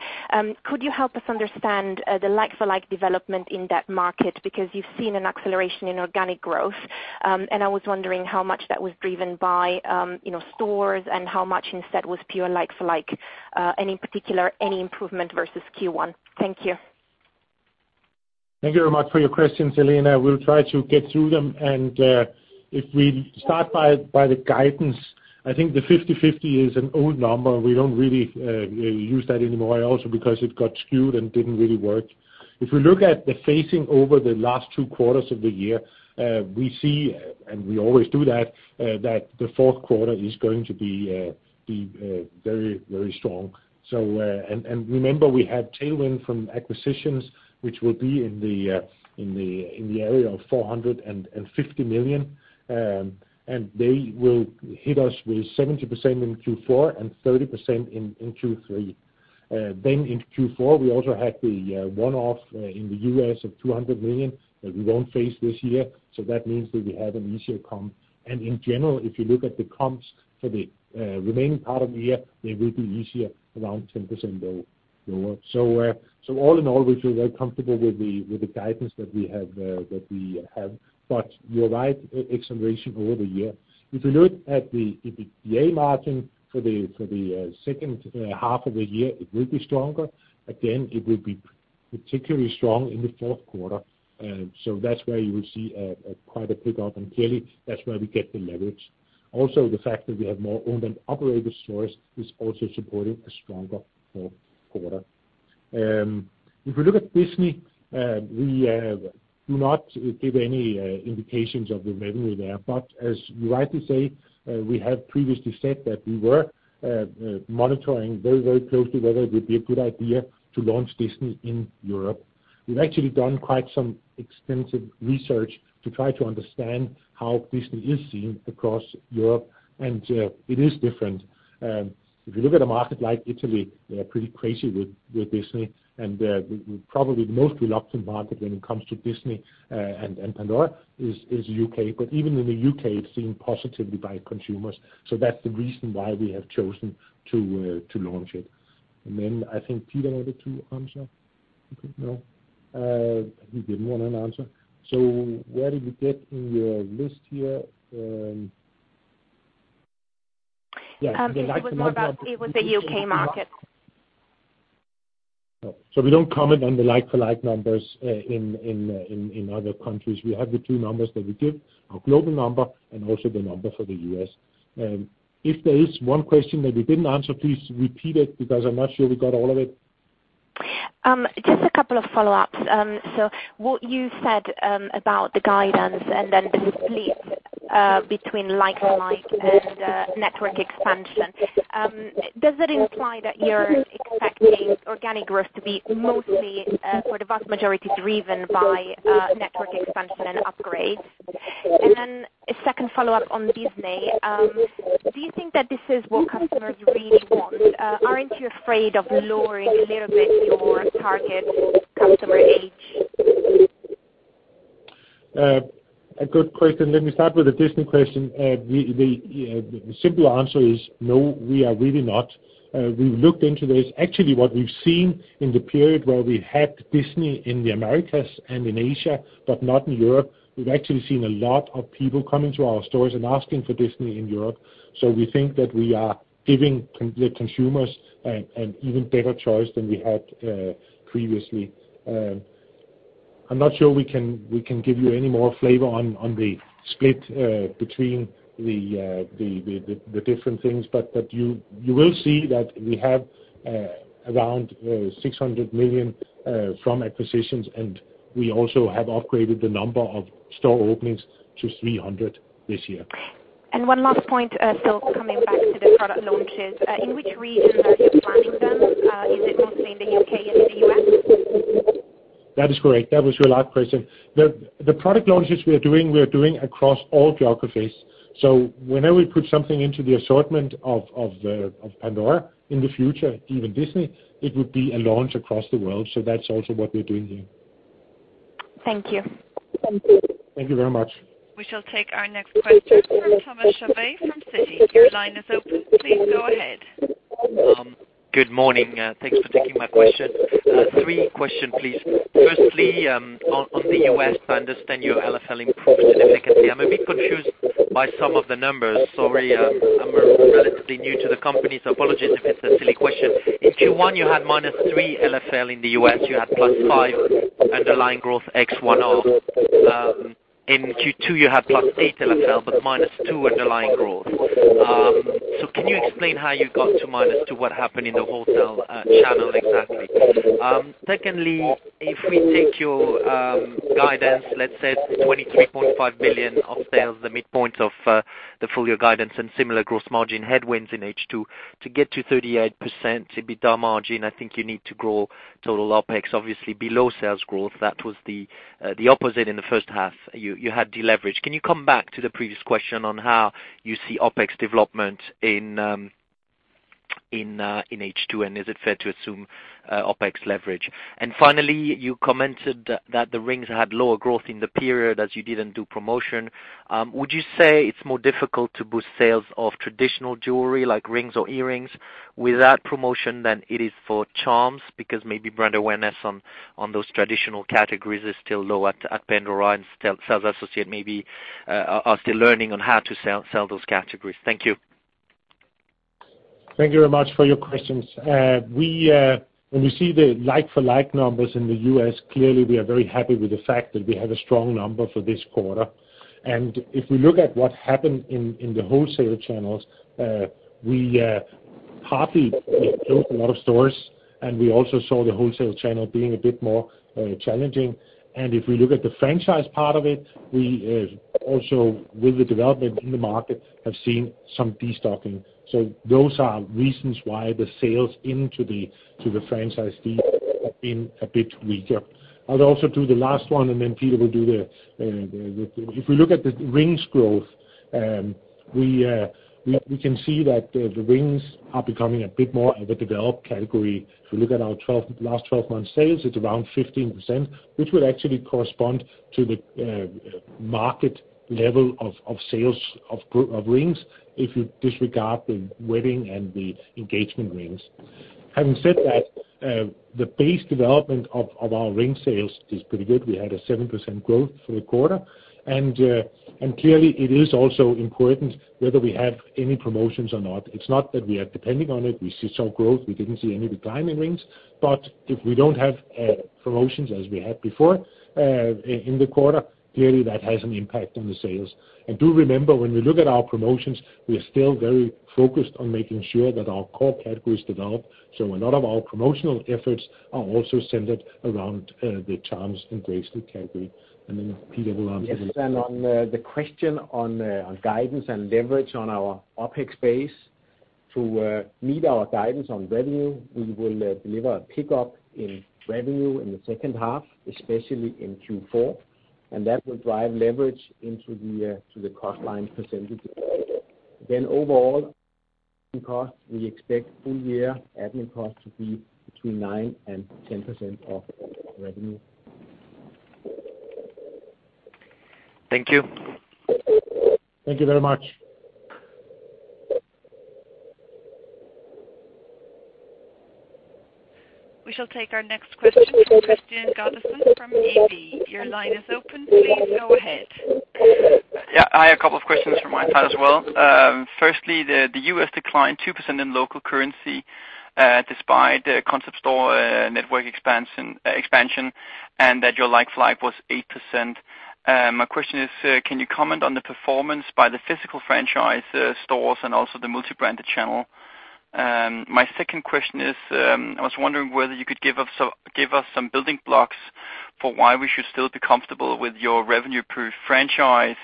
G: Could you help us understand the like-for-like development in that market? Because you've seen an acceleration in organic growth, and I was wondering how much that was driven by, you know, stores, and how much instead was pure like-for-like, and in particular, any improvement versus Q1. Thank you.
C: Thank you very much for your questions, Elena. We'll try to get through them. And, if we start by the guidance, I think the 50/50 is an old number. We don't really use that anymore, also because it got skewed and didn't really work. If we look at the phasing over the last two quarters of the year, we see, and we always do that, that the fourth quarter is going to be very, very strong. So... And, remember, we had tailwind from acquisitions, which will be in the area of 450 million, and they will hit us with 70% in Q4 and 30% in Q3. Then in Q4, we also had the one-off in the US of 200 million, that we won't face this year, so that means that we have an easier comp. In general, if you look at the comps for the remaining part of the year, they will be easier, around 10% lower. So all in all, we feel very comfortable with the guidance that we have. But you're right, acceleration over the year. If you look at the EBITDA margin for the second half of the year, it will be stronger. Again, it will be particularly strong in the fourth quarter. So that's where you will see quite a pick-up, and clearly that's where we get the leverage. Also, the fact that we have more owned and operated stores is also supporting a stronger fourth quarter. If you look at Disney, we do not give any indications of the revenue there, but as you rightly say, we have previously said that we were monitoring very, very closely whether it would be a good idea to launch Disney in Europe. We've actually done quite some extensive research to try to understand how Disney is seen across Europe, and it is different. If you look at a market like Italy, they are pretty crazy with Disney, and probably the most reluctant market when it comes to Disney and Pandora is U.K. But even in the U.K., it's seen positively by consumers, so that's the reason why we have chosen to launch it. Then I think Peter wanted to answer? No. He didn't want to answer. So where did we get in the list here? Yeah.
G: It was more about-
C: The like-for-like-
G: It was the U.K. market.
C: Oh, so we don't comment on the like-for-like numbers in other countries. We have the two numbers that we give, our global number and also the number for the U.S. If there is one question that we didn't answer, please repeat it, because I'm not sure we got all of it.
G: Just a couple of follow-ups. So what you said about the guidance and then the split between like-for-like and network expansion, does that imply that you're expecting organic growth to be mostly for the vast majority, driven by network expansion and upgrades? And then a second follow-up on Disney. Do you think that this is what customers really want? Aren't you afraid of lowering a little bit your target customer age?
C: A good question. Let me start with the Disney question. The simple answer is no, we are really not. We've looked into this. Actually, what we've seen in the period where we had Disney in the Americas and in Asia, but not in Europe, we've actually seen a lot of people coming to our stores and asking for Disney in Europe. So we think that we are giving the consumers an even better choice than we had, previously. I'm not sure we can give you any more flavor on the split between the different things, but you will see that we have around 600 million from acquisitions, and we also have upgraded the number of store openings to 300 this year.
G: One last point, still coming back to the product launches. In which region are you planning them? Is it mostly in the U.K. and in the U.S.?
C: That is correct. That was your last question. The product launches we are doing, we are doing across all geographies. So whenever we put something into the assortment of Pandora in the future, even Disney, it would be a launch across the world. So that's also what we're doing here.
G: Thank you.
C: Thank you very much.
A: We shall take our next question from Thomas Chauvet from Citi. Your line is open. Please go ahead.
H: Good morning. Thanks for taking my question. Three questions, please. First, on the U.S., I understand your LFL improved significantly. I'm a bit confused by some of the numbers. Sorry, I'm relatively new to the company, so apologies if it's a silly question. In Q1, you had -3 LFL. In the U.S., you had +5 underlying growth ex one-off. In Q2, you had +8 LFL, but -2 underlying growth. So can you explain how you got to -2, what happened in the wholesale channel, exactly? Second, if we take your guidance, let's say 23.5 billion of sales, the midpoint of the full year guidance and similar gross margin headwinds in H2, to get to 38% EBITDA margin, I think you need to grow total OpEx, obviously, below sales growth. That was the opposite in the first half. You had deleverage. Can you come back to the previous question on how you see OpEx development in H2, and is it fair to assume OpEx leverage? And finally, you commented that the rings had lower growth in the period as you didn't do promotion. Would you say it's more difficult to boost sales of traditional jewelry like rings or earrings without promotion than it is for charms? Because maybe brand awareness on those traditional categories is still low at Pandora, and sales associates maybe are still learning on how to sell those categories. Thank you.
C: Thank you very much for your questions. We, when we see the like-for-like numbers in the U.S., clearly, we are very happy with the fact that we have a strong number for this quarter. And if we look at what happened in the wholesale channels, we partly opened a lot of stores, and we also saw the wholesale channel being a bit more challenging. And if we look at the franchise part of it, we also, with the development in the market, have seen some destocking. So those are reasons why the sales into the franchise deal have been a bit weaker. I'll also do the last one, and then Peter will do the if we look at the rings growth, we can see that the rings are becoming a bit more of a developed category. If we look at our last 12 months sales, it's around 15%, which would actually correspond to the market level of sales of rings, if you disregard the wedding and the engagement rings. Having said that, the base development of our ring sales is pretty good. We had a 7% growth for the quarter, and clearly it is also important whether we have any promotions or not. It's not that we are depending on it. We saw growth. We didn't see any decline in rings, but if we don't have promotions as we had before in the quarter, clearly that has an impact on the sales. Do remember, when we look at our promotions, we are still very focused on making sure that our core categories develop. A lot of our promotional efforts are also centered around the charms and bracelet category. Then Peter will answer the last one.
D: Yes, and on the question on guidance and leverage on our OpEx base, to meet our guidance on revenue, we will deliver a pickup in revenue in the second half, especially in Q4, and that will drive leverage into the cost line percentages. Then overall, cost, we expect full year admin cost to be between 9% and 10% of revenue.
H: Thank you.
C: Thank you very much.
A: We shall take our next question from Kristian Godiksen from SEB. Your line is open. Please go ahead.
I: Yeah, I have a couple of questions from my side as well. Firstly, the U.S. declined 2% in local currency, despite concept store network expansion, and that your like-for-like was 8%. My question is, can you comment on the performance by the physical franchise stores and also the multi-branded channel? My second question is, I was wondering whether you could give us some building blocks for why we should still be comfortable with your revenue per franchise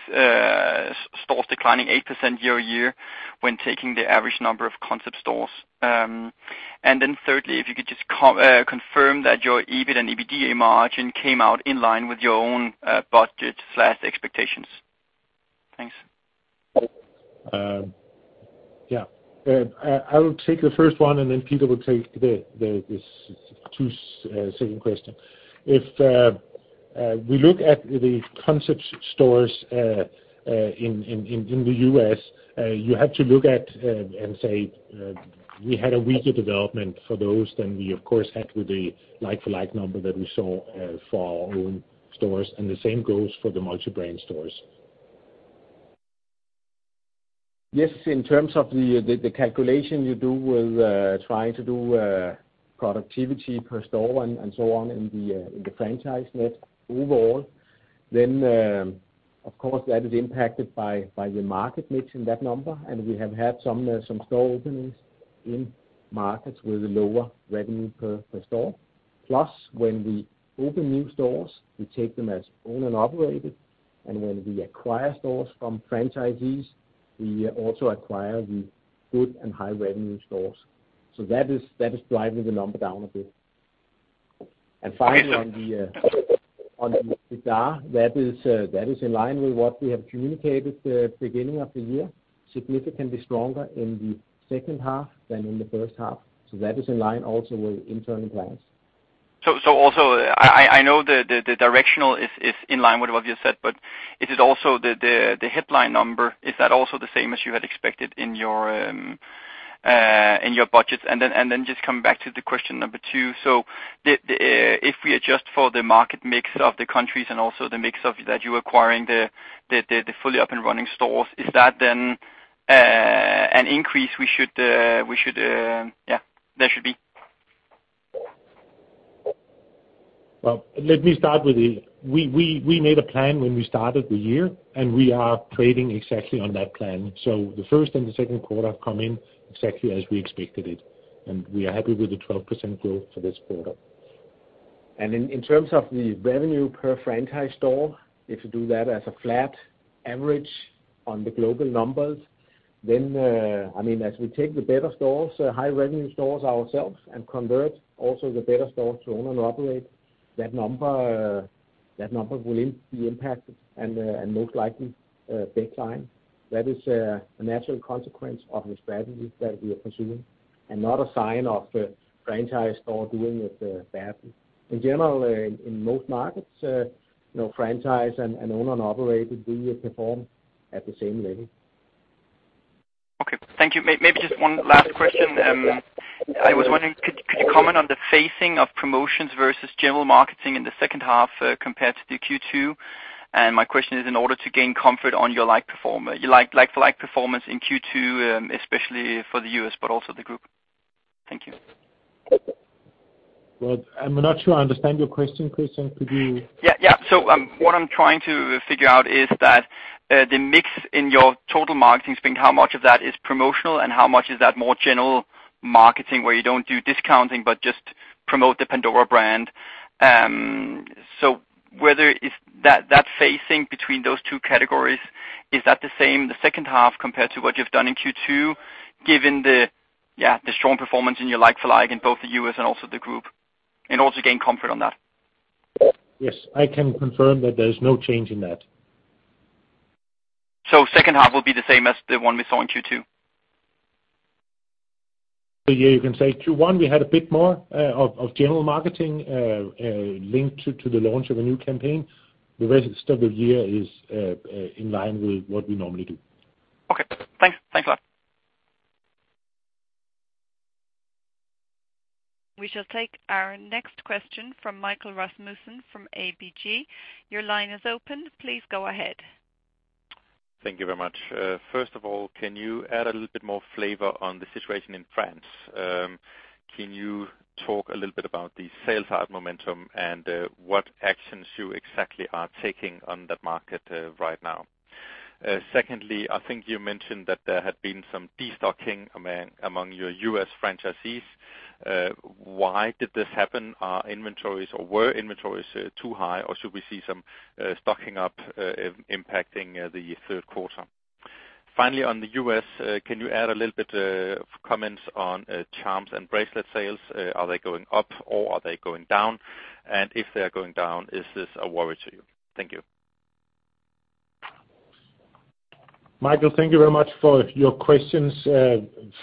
I: stores declining 8% year-over-year when taking the average number of concept stores. And then thirdly, if you could just confirm that your EBIT and EBITDA margin came out in line with your own budget expectations? Thanks.
C: Yeah. I will take the first one, and then Peter will take the second question. If we look at the concept stores in the U.S., you have to look at and say we had a weaker development for those than we of course had with the like-for-like number that we saw for our own stores, and the same goes for the multi-brand stores.
D: Yes, in terms of the calculation you do with trying to do productivity per store and so on in the franchise net overall, then, of course, that is impacted by the market mix in that number, and we have had some store openings in markets with lower revenue per store. Plus, when we open new stores, we take them as owned and operated, and when we acquire stores from franchisees, we also acquire the good and high-revenue stores. So that is driving the number down a bit. And finally, on the EBITDA, that is in line with what we have communicated the beginning of the year, significantly stronger in the second half than in the first half, so that is in line also with internal plans.
I: So also, I know the directional is in line with what you said, but is it also the headline number, is that also the same as you had expected in your budget? And then just coming back to the question number two, so if we adjust for the market mix of the countries and also the mix of that you're acquiring the fully up-and-running stores, is that then an increase we should, yeah, there should be?
C: Well, let me start with the... We made a plan when we started the year, and we are trading exactly on that plan. So the first and the second quarter come in exactly as we expected it, and we are happy with the 12% growth for this quarter.
D: In terms of the revenue per franchise store, if you do that as a flat average on the global numbers, then, I mean, as we take the better stores, the high-revenue stores ourselves, and convert also the better stores to own and operate, that number, that number will be impacted and, and most likely, decline. That is, a natural consequence of the strategy that we are pursuing, and not a sign of the franchise store doing it, badly. In general, in most markets, you know, franchise and own-and-operate will perform at the same level.
I: Okay, thank you. Maybe just one last question. I was wondering, could you comment on the phasing of promotions versus general marketing in the second half, compared to the Q2? And my question is, in order to gain comfort on your like-for-like performance in Q2, especially for the U.S., but also the group. Thank you.
C: Well, I'm not sure I understand your question, Kristian. Could you-
I: Yeah, yeah. So, what I'm trying to figure out is that, the mix in your total marketing spend, how much of that is promotional and how much is that more general marketing, where you don't do discounting but just promote the Pandora brand? So whether is that, that phasing between those two categories, is that the same in the second half compared to what you've done in Q2, given the strong performance in your like-for-like in both the U.S. and also the group, and also gain comfort on that?
C: Yes, I can confirm that there is no change in that.
I: Second half will be the same as the one we saw in Q2?
C: Yeah, you can say Q1, we had a bit more of general marketing linked to the launch of a new campaign. The rest of the year is in line with what we normally do.
I: Okay. Thanks. Thanks a lot.
A: We shall take our next question from Michael Rasmussen from ABG. Your line is open. Please go ahead.
J: Thank you very much. First of all, can you add a little bit more flavor on the situation in France? Can you talk a little bit about the sales out momentum and what actions you exactly are taking on that market right now? Secondly, I think you mentioned that there had been some destocking among your U.S. franchisees. Why did this happen? Are inventories or were inventories too high, or should we see some stocking up impacting the third quarter? Finally, on the U.S., can you add a little bit comments on charms and bracelet sales? Are they going up or are they going down? And if they are going down, is this a worry to you? Thank you.
C: Michael, thank you very much for your questions.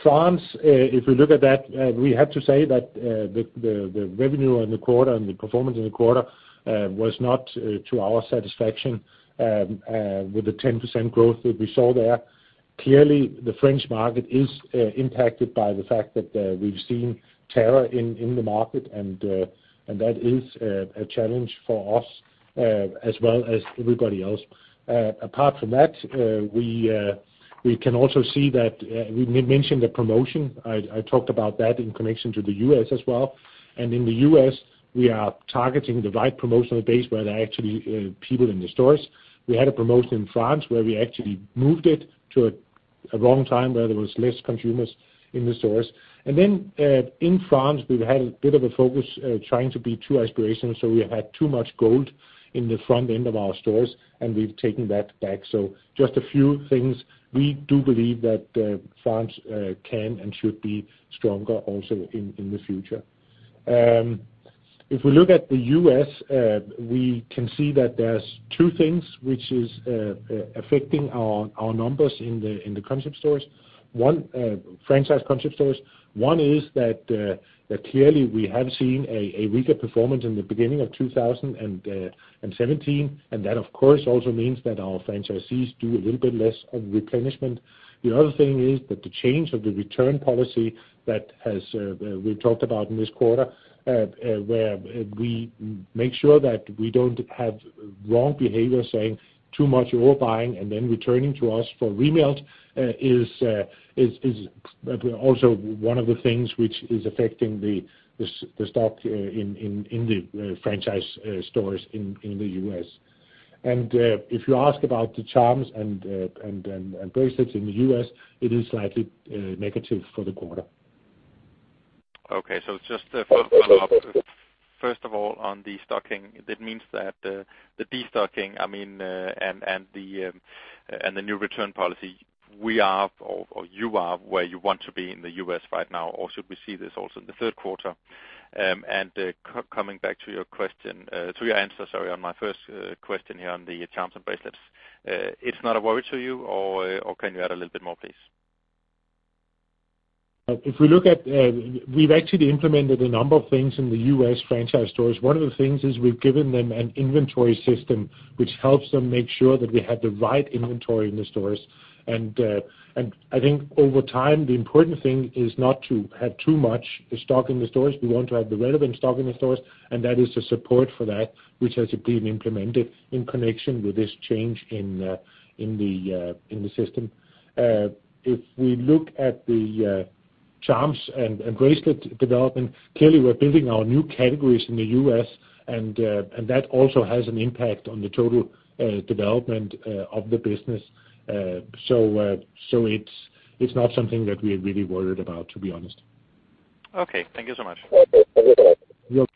C: France, if we look at that, we have to say that, the revenue in the quarter and the performance in the quarter, was not to our satisfaction, with the 10% growth that we saw there. Clearly, the French market is impacted by the fact that, we've seen terror in the market, and that is a challenge for us, as well as everybody else. Apart from that, we can also see that, we mentioned the promotion. I talked about that in connection to the U.S. as well. And in the U.S., we are targeting the right promotional base, where there are actually people in the stores. We had a promotion in France, where we actually moved it to a wrong time, where there was less consumers in the stores. Then, in France, we've had a bit of a focus trying to be too aspirational, so we had too much gold in the front end of our stores, and we've taken that back. So just a few things. We do believe that France can and should be stronger also in the future. If we look at the U.S., we can see that there's two things which is affecting our numbers in the concept stores. One, franchise concept stores, one is that clearly we have seen a weaker performance in the beginning of 2017, and that, of course, also means that our franchisees do a little bit less of replenishment. The other thing is that the change of the return policy that has we talked about in this quarter, where we make sure that we don't have wrong behavior, saying too much overbuying and then returning to us for remelt, is also one of the things which is affecting the stock in the franchise stores in the U.S. And, if you ask about the charms and bracelets in the U.S., it is slightly negative for the quarter.
J: Okay. So just to follow up, first of all, on the stocking, that means that the destocking, I mean, and the new return policy, you are where you want to be in the U.S. right now, or should we see this also in the third quarter? Coming back to your answer, sorry, on my first question here on the charms and bracelets, it's not a worry to you, or can you add a little bit more, please?
C: If we look at, we've actually implemented a number of things in the U.S. franchise stores. One of the things is we've given them an inventory system, which helps them make sure that we have the right inventory in the stores. And I think over time, the important thing is not to have too much stock in the stores. We want to have the relevant stock in the stores, and that is the support for that, which has been implemented in connection with this change in the system. If we look at the charms and bracelet development, clearly, we're building our new categories in the U.S., and that also has an impact on the total development of the business. So it's not something that we're really worried about, to be honest.
J: Okay. Thank you so much.
C: You're welcome.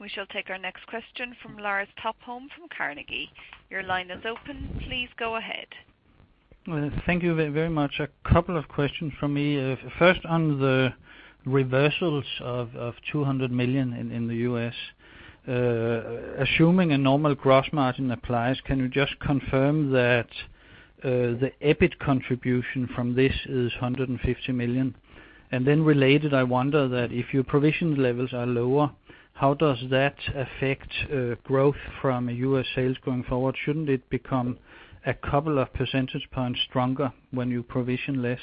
A: We shall take our next question from Lars Topholm from Carnegie. Your line is open. Please go ahead.
K: Thank you very much. A couple of questions from me. First, on the reversals of 200 million in the U.S., assuming a normal gross margin applies, can you just confirm that the EBIT contribution from this is 150 million? And then related, I wonder that if your provision levels are lower, how does that affect growth from U.S. sales going forward? Shouldn't it become a couple of percentage points stronger when you provision less?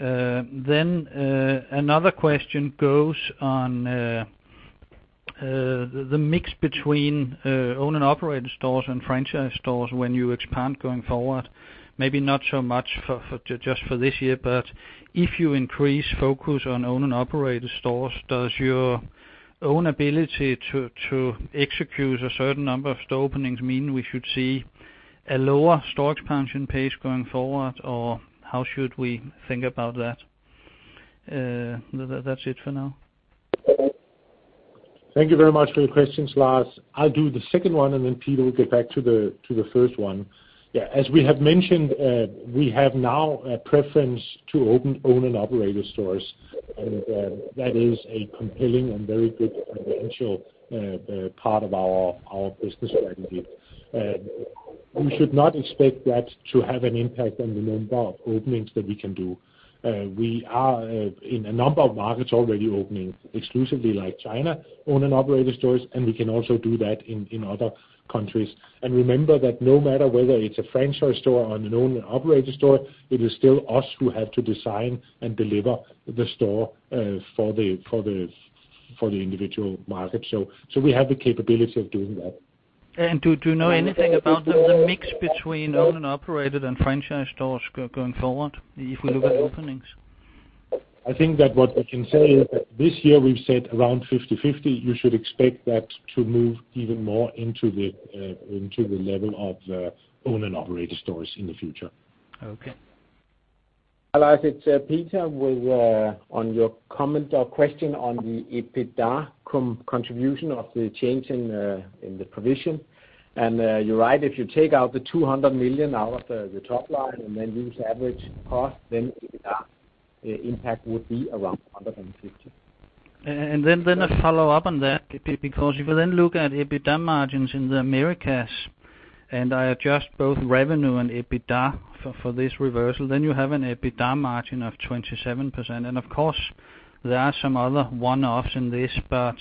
K: Then, another question goes on the mix between owned and operated stores and franchise stores when you expand going forward, maybe not so much for just this year, but if you increase focus on owned and operated stores, does your own ability to execute a certain number of store openings mean we should see a lower store expansion pace going forward, or how should we think about that? That's it for now.
C: Thank you very much for your questions, Lars. I'll do the second one, and then Peter will get back to the first one. Yeah, as we have mentioned, we have now a preference to open owned and operated stores, and that is a compelling and very good potential part of our business strategy. You should not expect that to have an impact on the number of openings that we can do. We are in a number of markets already opening exclusively, like China, owned and operated stores, and we can also do that in other countries. And remember that no matter whether it's a franchise store or an owned and operated store, it is still us who have to design and deliver the store for the individual market. So, we have the capability of doing that.
K: Do you know anything about the mix between owned and operated and franchise stores going forward, if we look at openings?
C: I think that what we can say is that this year we've said around 50/50. You should expect that to move even more into the level of owned and operated stores in the future.
K: Okay.
D: Hi, Lars, it's Peter, with on your comment or question on the EBITDA contribution of the change in the provision. You're right, if you take out the 200 million out of the top line and then use average cost, then EBITDA impact would be around 150 million.
K: Then a follow-up on that, because if you then look at EBITDA margins in the Americas, and I adjust both revenue and EBITDA for this reversal, then you have an EBITDA margin of 27%. And of course, there are some other one-offs in this, but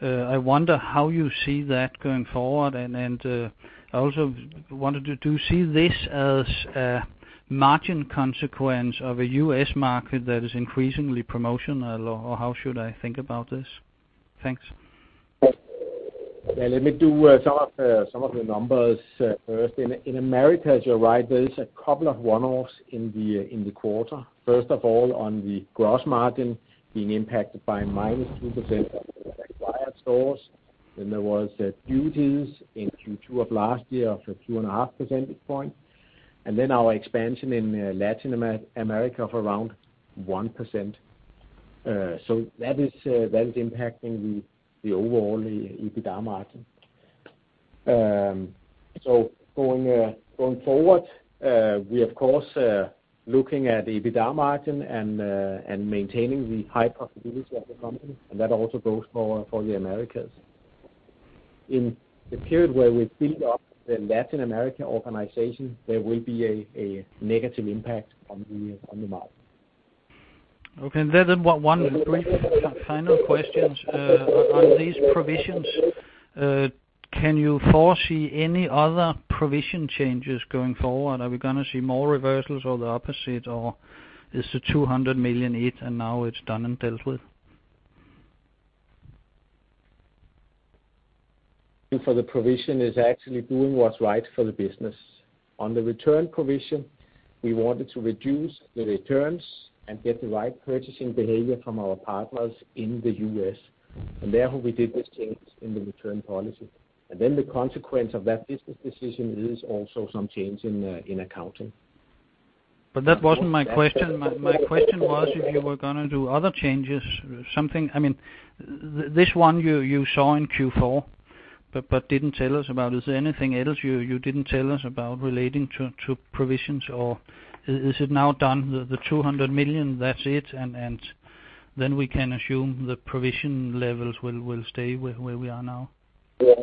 K: I wonder how you see that going forward. And I also wanted to see this as a margin consequence of a U.S. market that is increasingly promotional, or how should I think about this? Thanks.
D: Yeah, let me do some of the numbers first. In Americas, you're right, there is a couple of one-offs in the quarter. First of all, on the gross margin being impacted by -2% acquired stores, then there was duties in Q2 of last year of a 2.5 percentage point, and then our expansion in Latin America of around 1%. So that is impacting the overall EBITDA margin. So going forward, we of course looking at the EBITDA margin and maintaining the high profitability of the company, and that also goes for the Americas. In the period where we build up the Latin American organization, there will be a negative impact on the margin.
K: Okay, and then one brief kind of questions. On these provisions, can you foresee any other provision changes going forward? Are we going to see more reversals or the opposite, or is the 200 million it, and now it's done and dealt with?
D: For the provision is actually doing what's right for the business. On the return provision, we wanted to reduce the returns and get the right purchasing behavior from our partners in the U.S. Therefore, we did this change in the return policy. Then the consequence of that business decision is also some change in, in accounting.
K: But that wasn't my question. My question was if you were going to do other changes, something, I mean, this one you saw in Q4, but didn't tell us about. Is there anything else you didn't tell us about relating to provisions, or is it now done, 200 million, that's it, and then we can assume the provision levels will stay where we are now?
D: You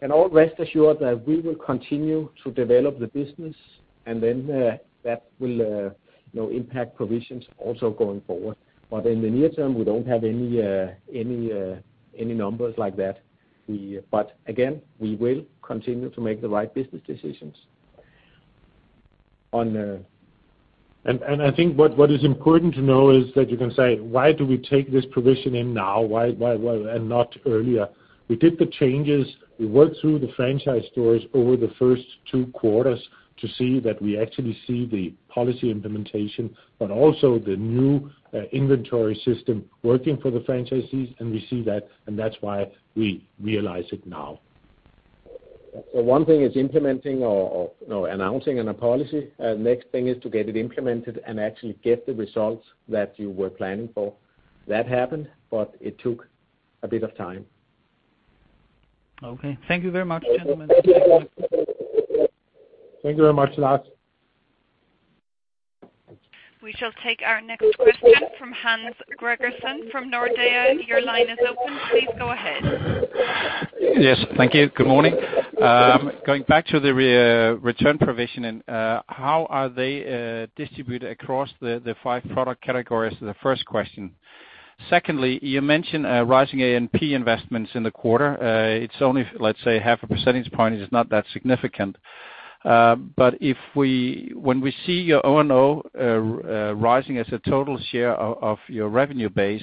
D: can all rest assured that we will continue to develop the business, and then that will, you know, impact provisions also going forward. But in the near term, we don't have any numbers like that. But again, we will continue to make the right business decisions. On,
C: I think what is important to know is that you can say, why do we take this provision in now? Why and not earlier? We did the changes. We worked through the franchise stores over the first two quarters to see that we actually see the policy implementation, but also the new inventory system working for the franchisees, and we see that, and that's why we realize it now.
D: So one thing is implementing or, you know, announcing in a policy. Next thing is to get it implemented and actually get the results that you were planning for. That happened, but it took a bit of time.
K: Okay. Thank you very much, gentlemen.
C: Thank you very much, Lars.
A: We shall take our next question from Hans Gregersen from Nordea. Your line is open. Please go ahead.
L: Yes, thank you. Good morning. Going back to the return provision and how are they distributed across the five product categories? The first question. Secondly, you mentioned rising A&P investments in the quarter. It's only, let's say, 0.5 percentage point; it is not that significant. But if we, when we see your O&O rising as a total share of your revenue base,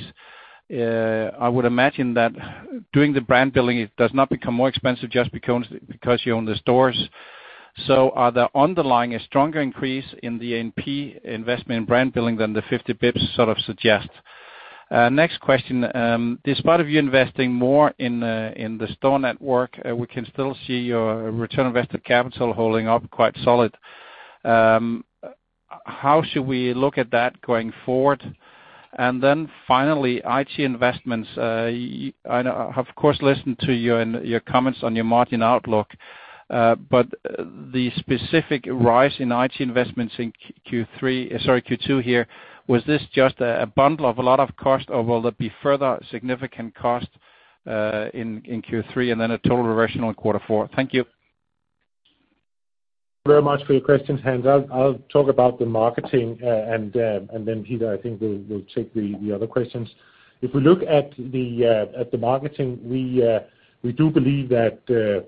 L: I would imagine that doing the brand building, it does not become more expensive just because you own the stores. So are the underlying a stronger increase in the A&P investment in brand building than the 50 basis points sort of suggest? Next question. Despite of you investing more in the store network, we can still see your return on invested capital holding up quite solid. How should we look at that going forward? And then finally, IT investments. I of course listened to you and your comments on your margin outlook, but the specific rise in IT investments in Q3, sorry, Q2 here, was this just a bundle of a lot of cost, or will there be further significant costs in Q3, and then a total regression on quarter four? Thank you.
C: Very much for your questions, Hans. I'll talk about the marketing, and then Peter, I think, will take the other questions. If we look at the marketing, we do believe that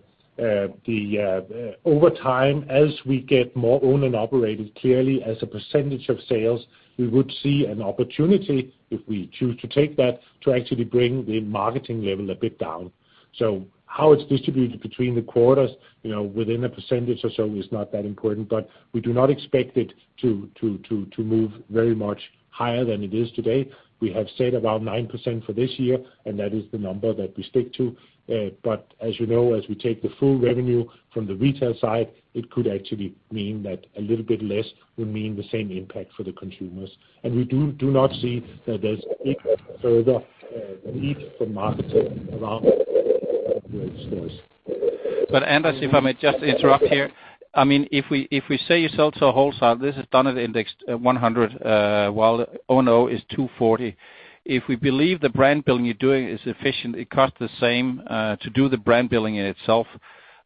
C: over time, as we get more owned and operated, clearly as a percentage of sales, we would see an opportunity, if we choose to take that, to actually bring the marketing level a bit down. So how it's distributed between the quarters, you know, within a percentage or so, is not that important, but we do not expect it to move very much higher than it is today. We have said about 9% for this year, and that is the number that we stick to. But as you know, as we take the full revenue from the retail side, it could actually mean that a little bit less would mean the same impact for the consumers. We do not see that there's big further need for marketing around stores.
L: But Anders, if I may just interrupt here. I mean, if we, if we say you sell to a wholesale, this is done at index 100, while O&O is 240. If we believe the brand building you're doing is efficient, it costs the same, to do the brand building in itself,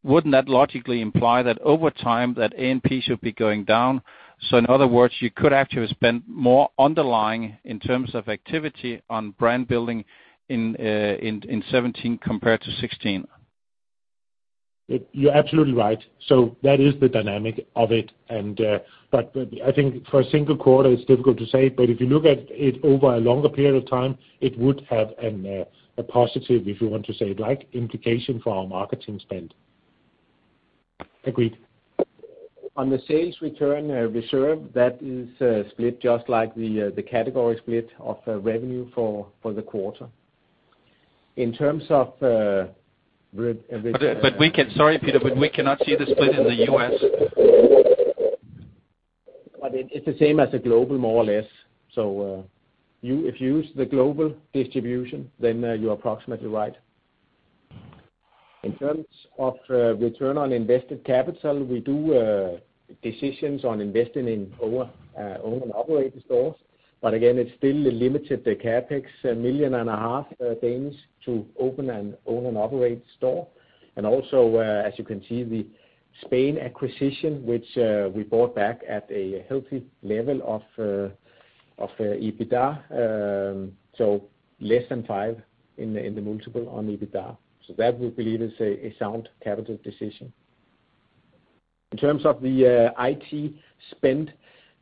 L: wouldn't that logically imply that over time, that A&P should be going down? So in other words, you could actually spend more underlying in terms of activity on brand building in, in, in 2017 compared to 2016.
C: You're absolutely right. So that is the dynamic of it, and, but I think for a single quarter, it's difficult to say. But if you look at it over a longer period of time, it would have a positive, if you want to say it like, implication for our marketing spend.
L: Agreed.
D: On the sales return reserve, that is split just like the category split of revenue for the quarter. In terms of re-
L: Sorry, Peter, but we cannot see the split in the U.S.?
D: But it, it's the same as the global, more or less. So, you, if you use the global distribution, then, you're approximately right. In terms of return on invested capital, we do decisions on investing in our own and operating stores. But again, it's still limited the CapEx, 1.5 million, to open an owned and operated store. And also, as you can see, the Spain acquisition, which we bought back at a healthy level of EBITDA, so less than 5x the multiple on EBITDA. So that we believe is a sound capital decision. In terms of the IT spend,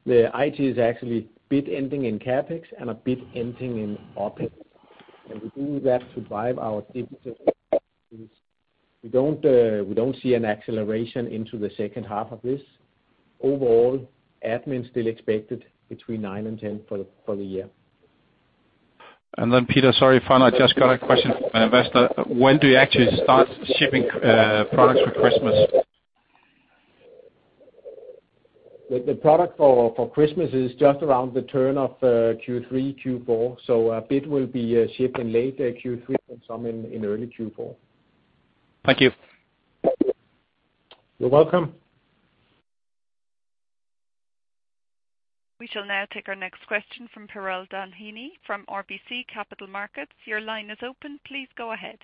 D: the IT is actually a bit in CapEx and a bit in OpEx, and we do that to drive our digital. We don't see an acceleration into the second half of this. Overall, admin still expected between 9%-10% for the year.
L: And then, Peter, sorry, final, I just got a question from an investor. When do you actually start shipping, products for Christmas?
D: The product for Christmas is just around the turn of Q3, Q4, so a bit will be shipping late Q3 and some in early Q4.
L: Thank you.
D: You're welcome.
A: We shall now take our next question from Piral Dadhania from RBC Capital Markets. Your line is open. Please go ahead.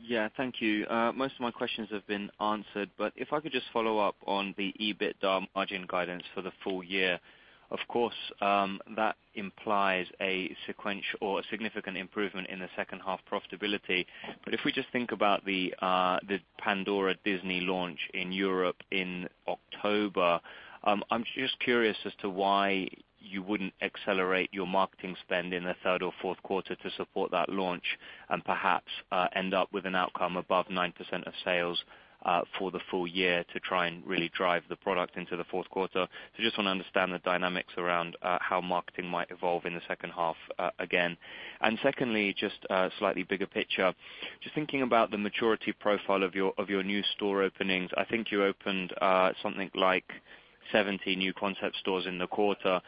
M: Yeah, thank you. Most of my questions have been answered, but if I could just follow up on the EBITDA margin guidance for the full year. Of course, that implies a sequential or a significant improvement in the second half profitability. But if we just think about the Pandora Disney launch in Europe in October, I'm just curious as to why you wouldn't accelerate your marketing spend in the third or fourth quarter to support that launch and perhaps end up with an outcome above 9% of sales for the full year to try and really drive the product into the fourth quarter? So just want to understand the dynamics around how marketing might evolve in the second half, again. Secondly, just a slightly bigger picture: Just thinking about the maturity profile of your, of your new store openings, I think you opened something like 70 new concept stores in the quarter.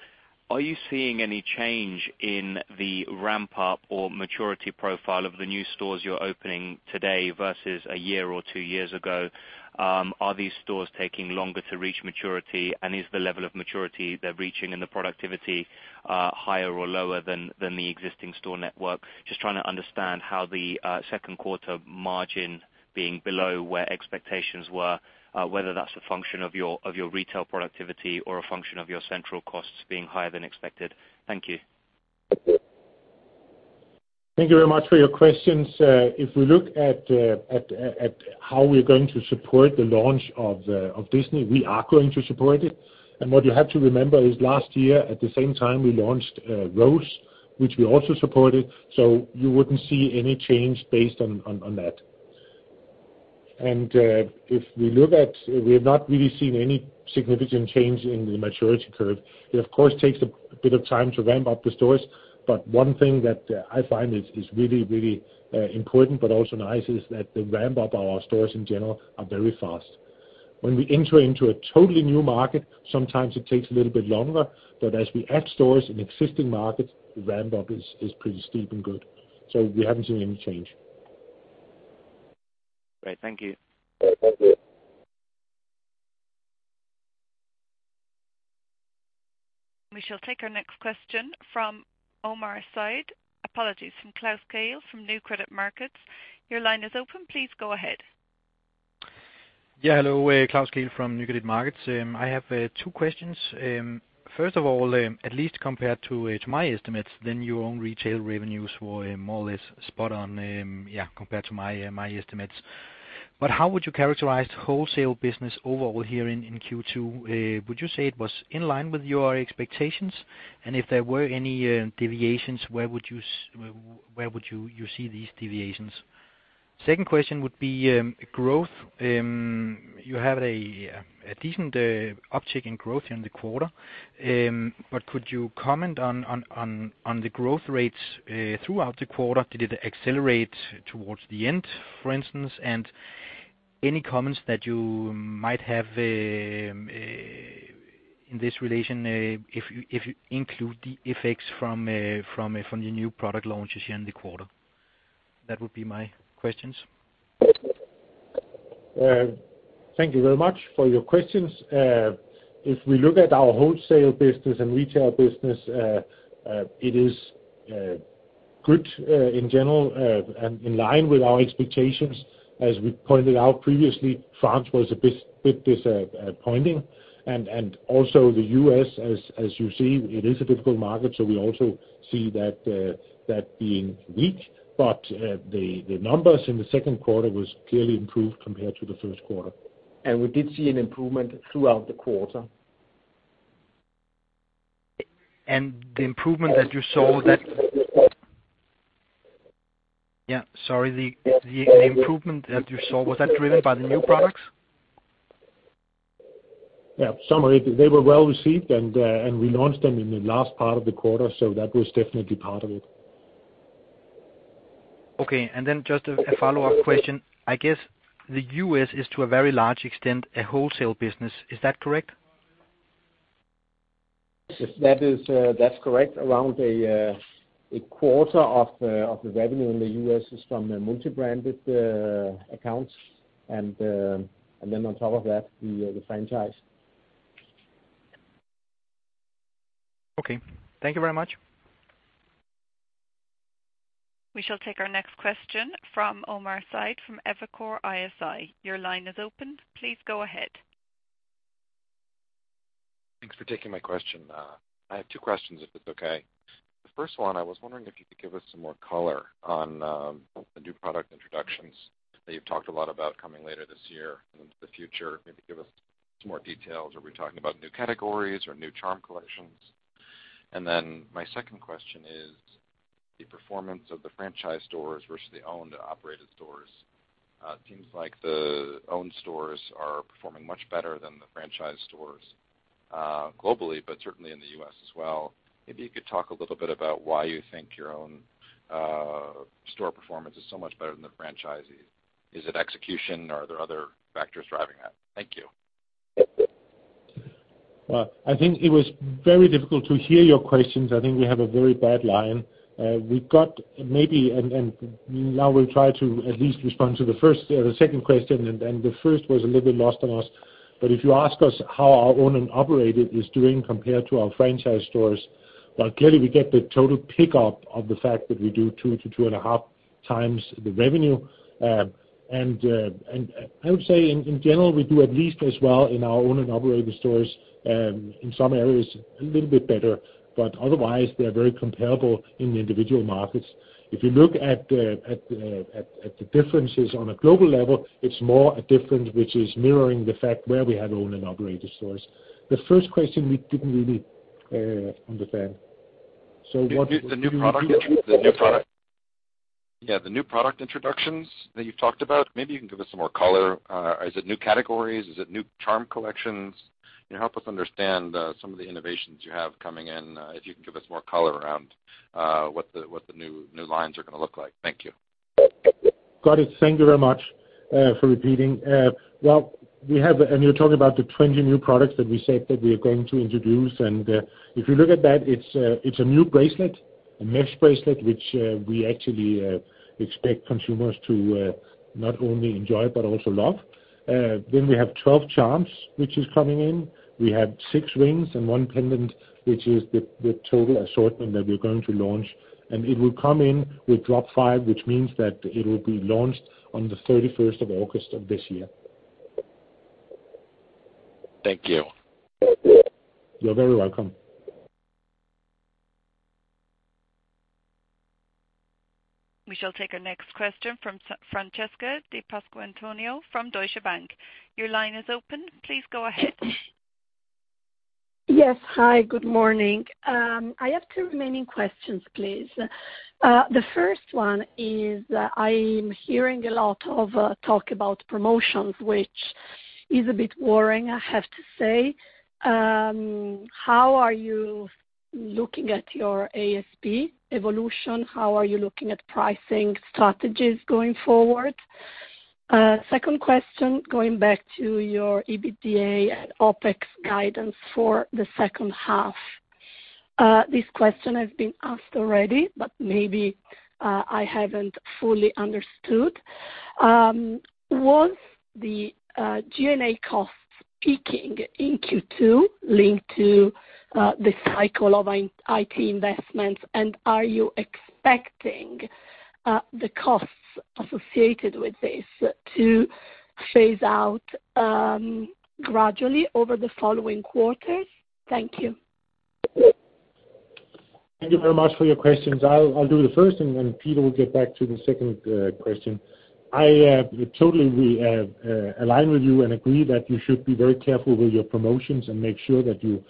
M: Are you seeing any change in the ramp-up or maturity profile of the new stores you're opening today versus a year or two years ago? Are these stores taking longer to reach maturity, and is the level of maturity they're reaching and the productivity higher or lower than the existing store network? Just trying to understand how the second quarter margin being below where expectations were, whether that's a function of your, of your retail productivity or a function of your central costs being higher than expected. Thank you.
C: Thank you very much for your questions. If we look at how we're going to support the launch of Disney, we are going to support it. And what you have to remember is last year, at the same time, we launched Rose, which we also supported, so you wouldn't see any change based on that. And if we look at... We have not really seen any significant change in the maturity curve. It, of course, takes a bit of time to ramp up the stores, but one thing that I find is really important, but also nice, is that the ramp-up of our stores in general are very fast. When we enter into a totally new market, sometimes it takes a little bit longer, but as we add stores in existing markets, the ramp-up is pretty steep and good. So we haven't seen any change.
M: Great. Thank you.
C: Thank you.
A: We shall take our next question from Omar Saad, apologies, from Klaus Kehl from Nykredit Markets. Your line is open. Please go ahead.
N: Yeah, hello, Klaus Kehl from Nykredit Markets. I have two questions. First of all, at least compared to my estimates, then your own retail revenues were more or less spot on, yeah, compared to my estimates. But how would you characterize the wholesale business overall here in Q2? Would you say it was in line with your expectations? And if there were any deviations, where would you see these deviations? Second question would be growth. You have a decent uptick in growth in the quarter, but could you comment on the growth rates throughout the quarter? Did it accelerate towards the end, for instance, and any comments that you might have, in this relation, if you include the effects from the new product launches in the quarter? That would be my questions.
C: Thank you very much for your questions. If we look at our wholesale business and retail business, it is good in general and in line with our expectations. As we pointed out previously, France was a bit disappointing, and also the U.S., as you see, it is a difficult market, so we also see that being weak. But the numbers in the second quarter was clearly improved compared to the first quarter.
D: We did see an improvement throughout the quarter.
N: The improvement that you saw, was that driven by the new products?
C: Yeah, some of it. They were well received, and we launched them in the last part of the quarter, so that was definitely part of it.
N: Okay, and then just a follow-up question. I guess the U.S. is to a very large extent a wholesale business. Is that correct?
C: Yes, that is, that's correct. Around a quarter of the revenue in the U.S. is from the multi-branded accounts, and then on top of that, the franchise.
N: Okay, thank you very much.
A: We shall take our next question from Omar Saad from Evercore ISI. Your line is open. Please go ahead.
O: Thanks for taking my question. I have two questions, if it's okay. The first one, I was wondering if you could give us some more color on, the new product introductions that you've talked a lot about coming later this year and into the future. Maybe give us some more details. Are we talking about new categories or new charm collections? And then my second question is, the performance of the franchise stores versus the owned operated stores. It seems like the owned stores are performing much better than the franchise stores, globally, but certainly in the U.S. as well. Maybe you could talk a little bit about why you think your own store performance is so much better than the franchisees. Is it execution, or are there other factors driving that? Thank you.
C: Well, I think it was very difficult to hear your questions. I think we have a very bad line. We've got, and now we'll try to at least respond to the first, the second question, and the first was a little bit lost on us. But if you ask us how our owned and operated is doing compared to our franchise stores, well, clearly, we get the total pick-up of the fact that we do 2-2.5x the revenue. And I would say in general, we do at least as well in our owned and operated stores, in some areas, a little bit better, but otherwise, they are very comparable in the individual markets. If you look at the differences on a global level, it's more a difference which is mirroring the fact where we have owned and operated stores. The first question, we didn't really understand. So what-
O: The new product introductions that you've talked about, maybe you can give us some more color. Is it new categories? Is it new charm collections? You know, help us understand some of the innovations you have coming in, if you can give us more color around what the new lines are gonna look like. Thank you.
C: Got it. Thank you very much for repeating. Well, we have, and you're talking about the 20 new products that we said that we are going to introduce, and if you look at that, it's a new bracelet, a mesh bracelet, which we actually expect consumers to not only enjoy, but also love. Then we have 12 charms, which is coming in. We have six rings and one pendant, which is the total assortment that we're going to launch, and it will come in with Drop 5, which means that it will be launched on the 31st of August of this year.
O: Thank you.
C: You're very welcome.
A: We shall take our next question from Francesca Di Pasquantonio from Deutsche Bank. Your line is open. Please go ahead.
P: Yes, hi, good morning. I have two remaining questions, please. The first one is, I'm hearing a lot of talk about promotions, which is a bit worrying, I have to say. How are you looking at your ASP evolution? How are you looking at pricing strategies going forward? Second question, going back to your EBITDA and OpEx guidance for the second half. This question has been asked already, but maybe I haven't fully understood. Was the G&A costs peaking in Q2 linked to the cycle of IT investments, and are you expecting the costs associated with this to phase out gradually over the following quarters? Thank you.
C: Thank you very much for your questions. I'll do the first, and then Peter will get back to the second question. We totally align with you and agree that you should be very careful with your promotions and make sure that you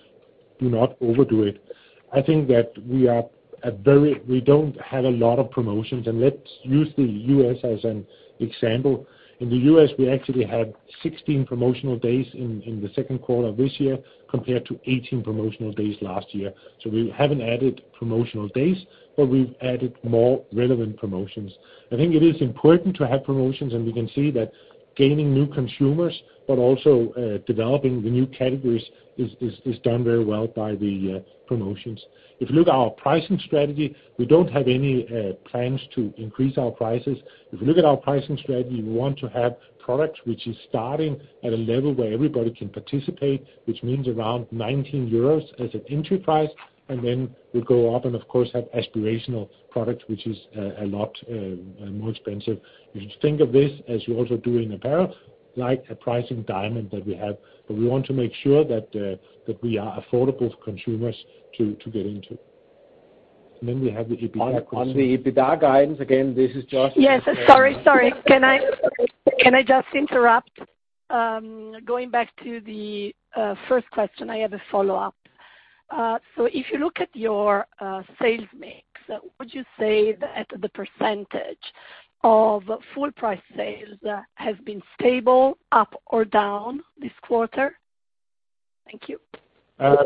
C: do not overdo it. I think that we are very, we don't have a lot of promotions, and let's use the U.S. as an example. In the U.S., we actually had 16 promotional days in the second quarter of this year, compared to 18 promotional days last year. So we haven't added promotional days, but we've added more relevant promotions. I think it is important to have promotions, and we can see that gaining new consumers, but also developing the new categories is done very well by the promotions. If you look at our pricing strategy, we don't have any plans to increase our prices. If you look at our pricing strategy, we want to have products which is starting at a level where everybody can participate, which means around 19 euros as an entry price, and then we go up and, of course, have aspirational products, which is a lot more expensive. You should think of this as you also do in apparel, like a pricing diamond that we have, but we want to make sure that that we are affordable for consumers to get into. And then we have the EBITDA question.
D: On the EBITDA guidance, again, this is just-
P: Yes, sorry, sorry. Can I, can I just interrupt? Going back to the first question, I have a follow-up. So if you look at your sales mix, would you say that the percentage of full price sales has been stable, up or down this quarter? Thank you.
C: Well,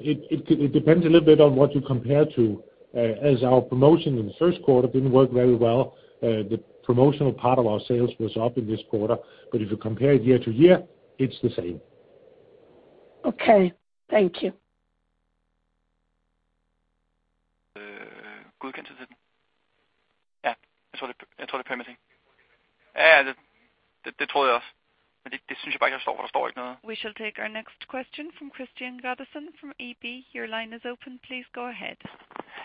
C: it depends a little bit on what you compare to, as our promotion in the first quarter didn't work very well. The promotional part of our sales was up in this quarter, but if you compare it year-over-year, it's the same.
P: Okay. Thank you.
Q: Good against it? Yeah, that's what it permitting. Yeah, that's what it was. But it seems like I saw the store now.
A: We shall take our next question from Kristian Godiksen from SEB. Your line is open. Please go ahead.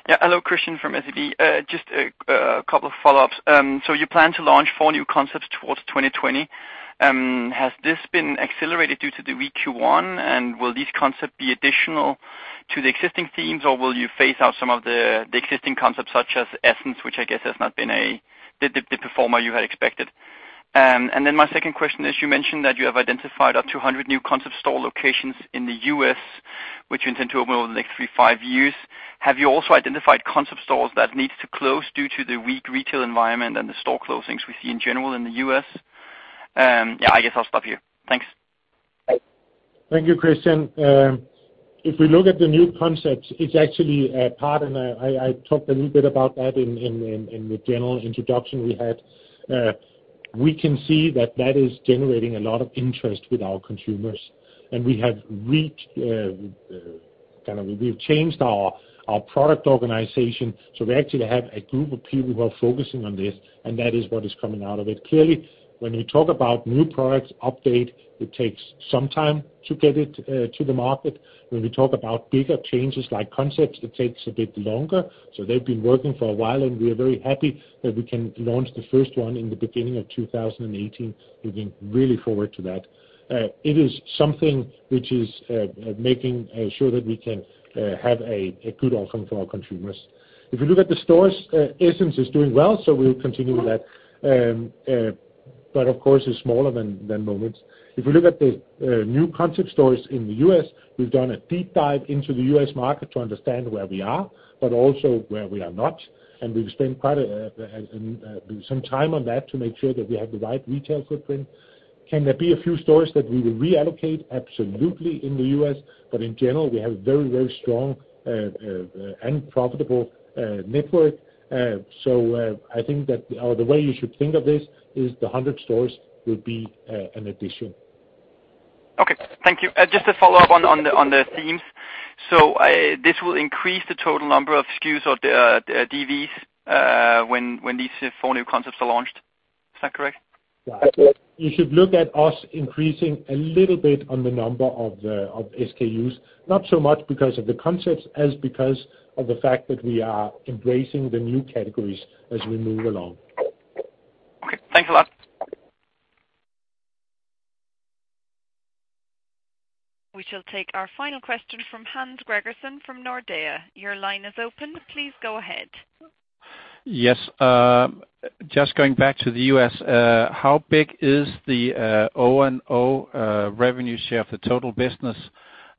I: Yeah. Hello, Kristian from SEB. Just a couple of follow-ups. So you plan to launch four new concepts towards 2020. Has this been accelerated due to the weak Q1, and will these concept be additional to the existing themes, or will you phase out some of the existing concepts, such as Essence, which I guess has not been the performer you had expected? And then my second question is, you mentioned that you have identified up to 100 new concept store locations in the U.S., which you intend to open over the next three to five years. Have you also identified concept stores that needs to close due to the weak retail environment and the store closings we see in general in the U.S.? Yeah, I guess I'll stop here. Thanks.
C: Thank you, Kristian. If we look at the new concepts, it's actually a part, and I talked a little bit about that in the general introduction we had. We can see that that is generating a lot of interest with our consumers, and we have reached kind of... We've changed our product organization, so we actually have a group of people who are focusing on this, and that is what is coming out of it. Clearly, when we talk about new products update, it takes some time to get it to the market. When we talk about bigger changes like concepts, it takes a bit longer. So they've been working for a while, and we are very happy that we can launch the first one in the beginning of 2018. We're looking really forward to that. It is something which is making sure that we can have a good outcome for our consumers. If you look at the stores, Essence is doing well, so we'll continue with that. But of course, it's smaller than Moments. If you look at the new concept stores in the U.S., we've done a deep dive into the U.S. market to understand where we are, but also where we are not, and we've spent quite some time on that to make sure that we have the right retail footprint. Can there be a few stores that we will reallocate? Absolutely, in the U.S., but in general, we have a very, very strong and profitable network. So, I think that, or the way you should think of this is the 100 stores will be an addition.
I: Okay. Thank you. Just to follow up on the themes. So, this will increase the total number of SKUs or the DVs when these four new concepts are launched. Is that correct?
C: Yeah. You should look at us increasing a little bit on the number of SKUs, not so much because of the concepts, as because of the fact that we are embracing the new categories as we move along.
I: Okay, thanks a lot.
A: We shall take our final question from Hans Gregersen from Nordea. Your line is open. Please go ahead.
L: Yes, just going back to the U.S., how big is the O&O revenue share of the total business?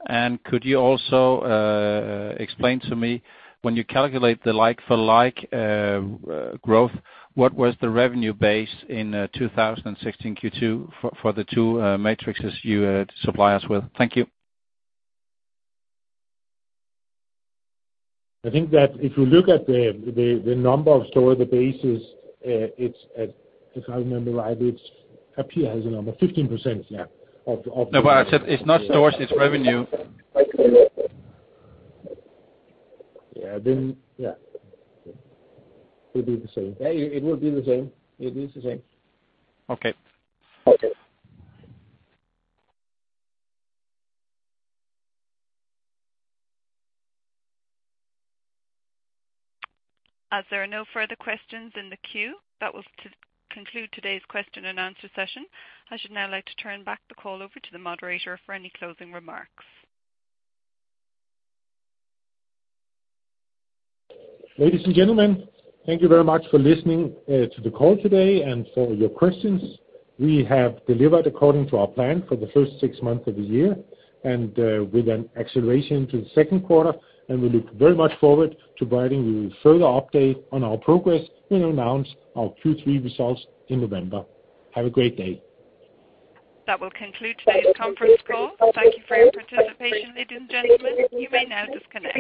L: And could you also explain to me, when you calculate the like-for-like growth, what was the revenue base in 2016 Q2 for the two matrices you supply us with? Thank you.
C: I think that if you look at the number of store, the bases, it's at. If I remember right, it's up here as a number, 15%, yeah, of, of-
L: No, but I said it's not stores, it's revenue.
C: Yeah, then, yeah. It will be the same. Yeah, it will be the same. It is the same.
L: Okay.
C: Okay.
A: As there are no further questions in the queue, that will conclude today's question and answer session. I should now like to turn back the call over to the moderator for any closing remarks.
C: Ladies and gentlemen, thank you very much for listening to the call today and for your questions. We have delivered according to our plan for the first six months of the year and, with an acceleration to the second quarter, and we look very much forward to providing you with further update on our progress, we'll announce our Q3 results in November. Have a great day.
A: That will conclude today's conference call. Thank you for your participation, ladies and gentlemen. You may now disconnect.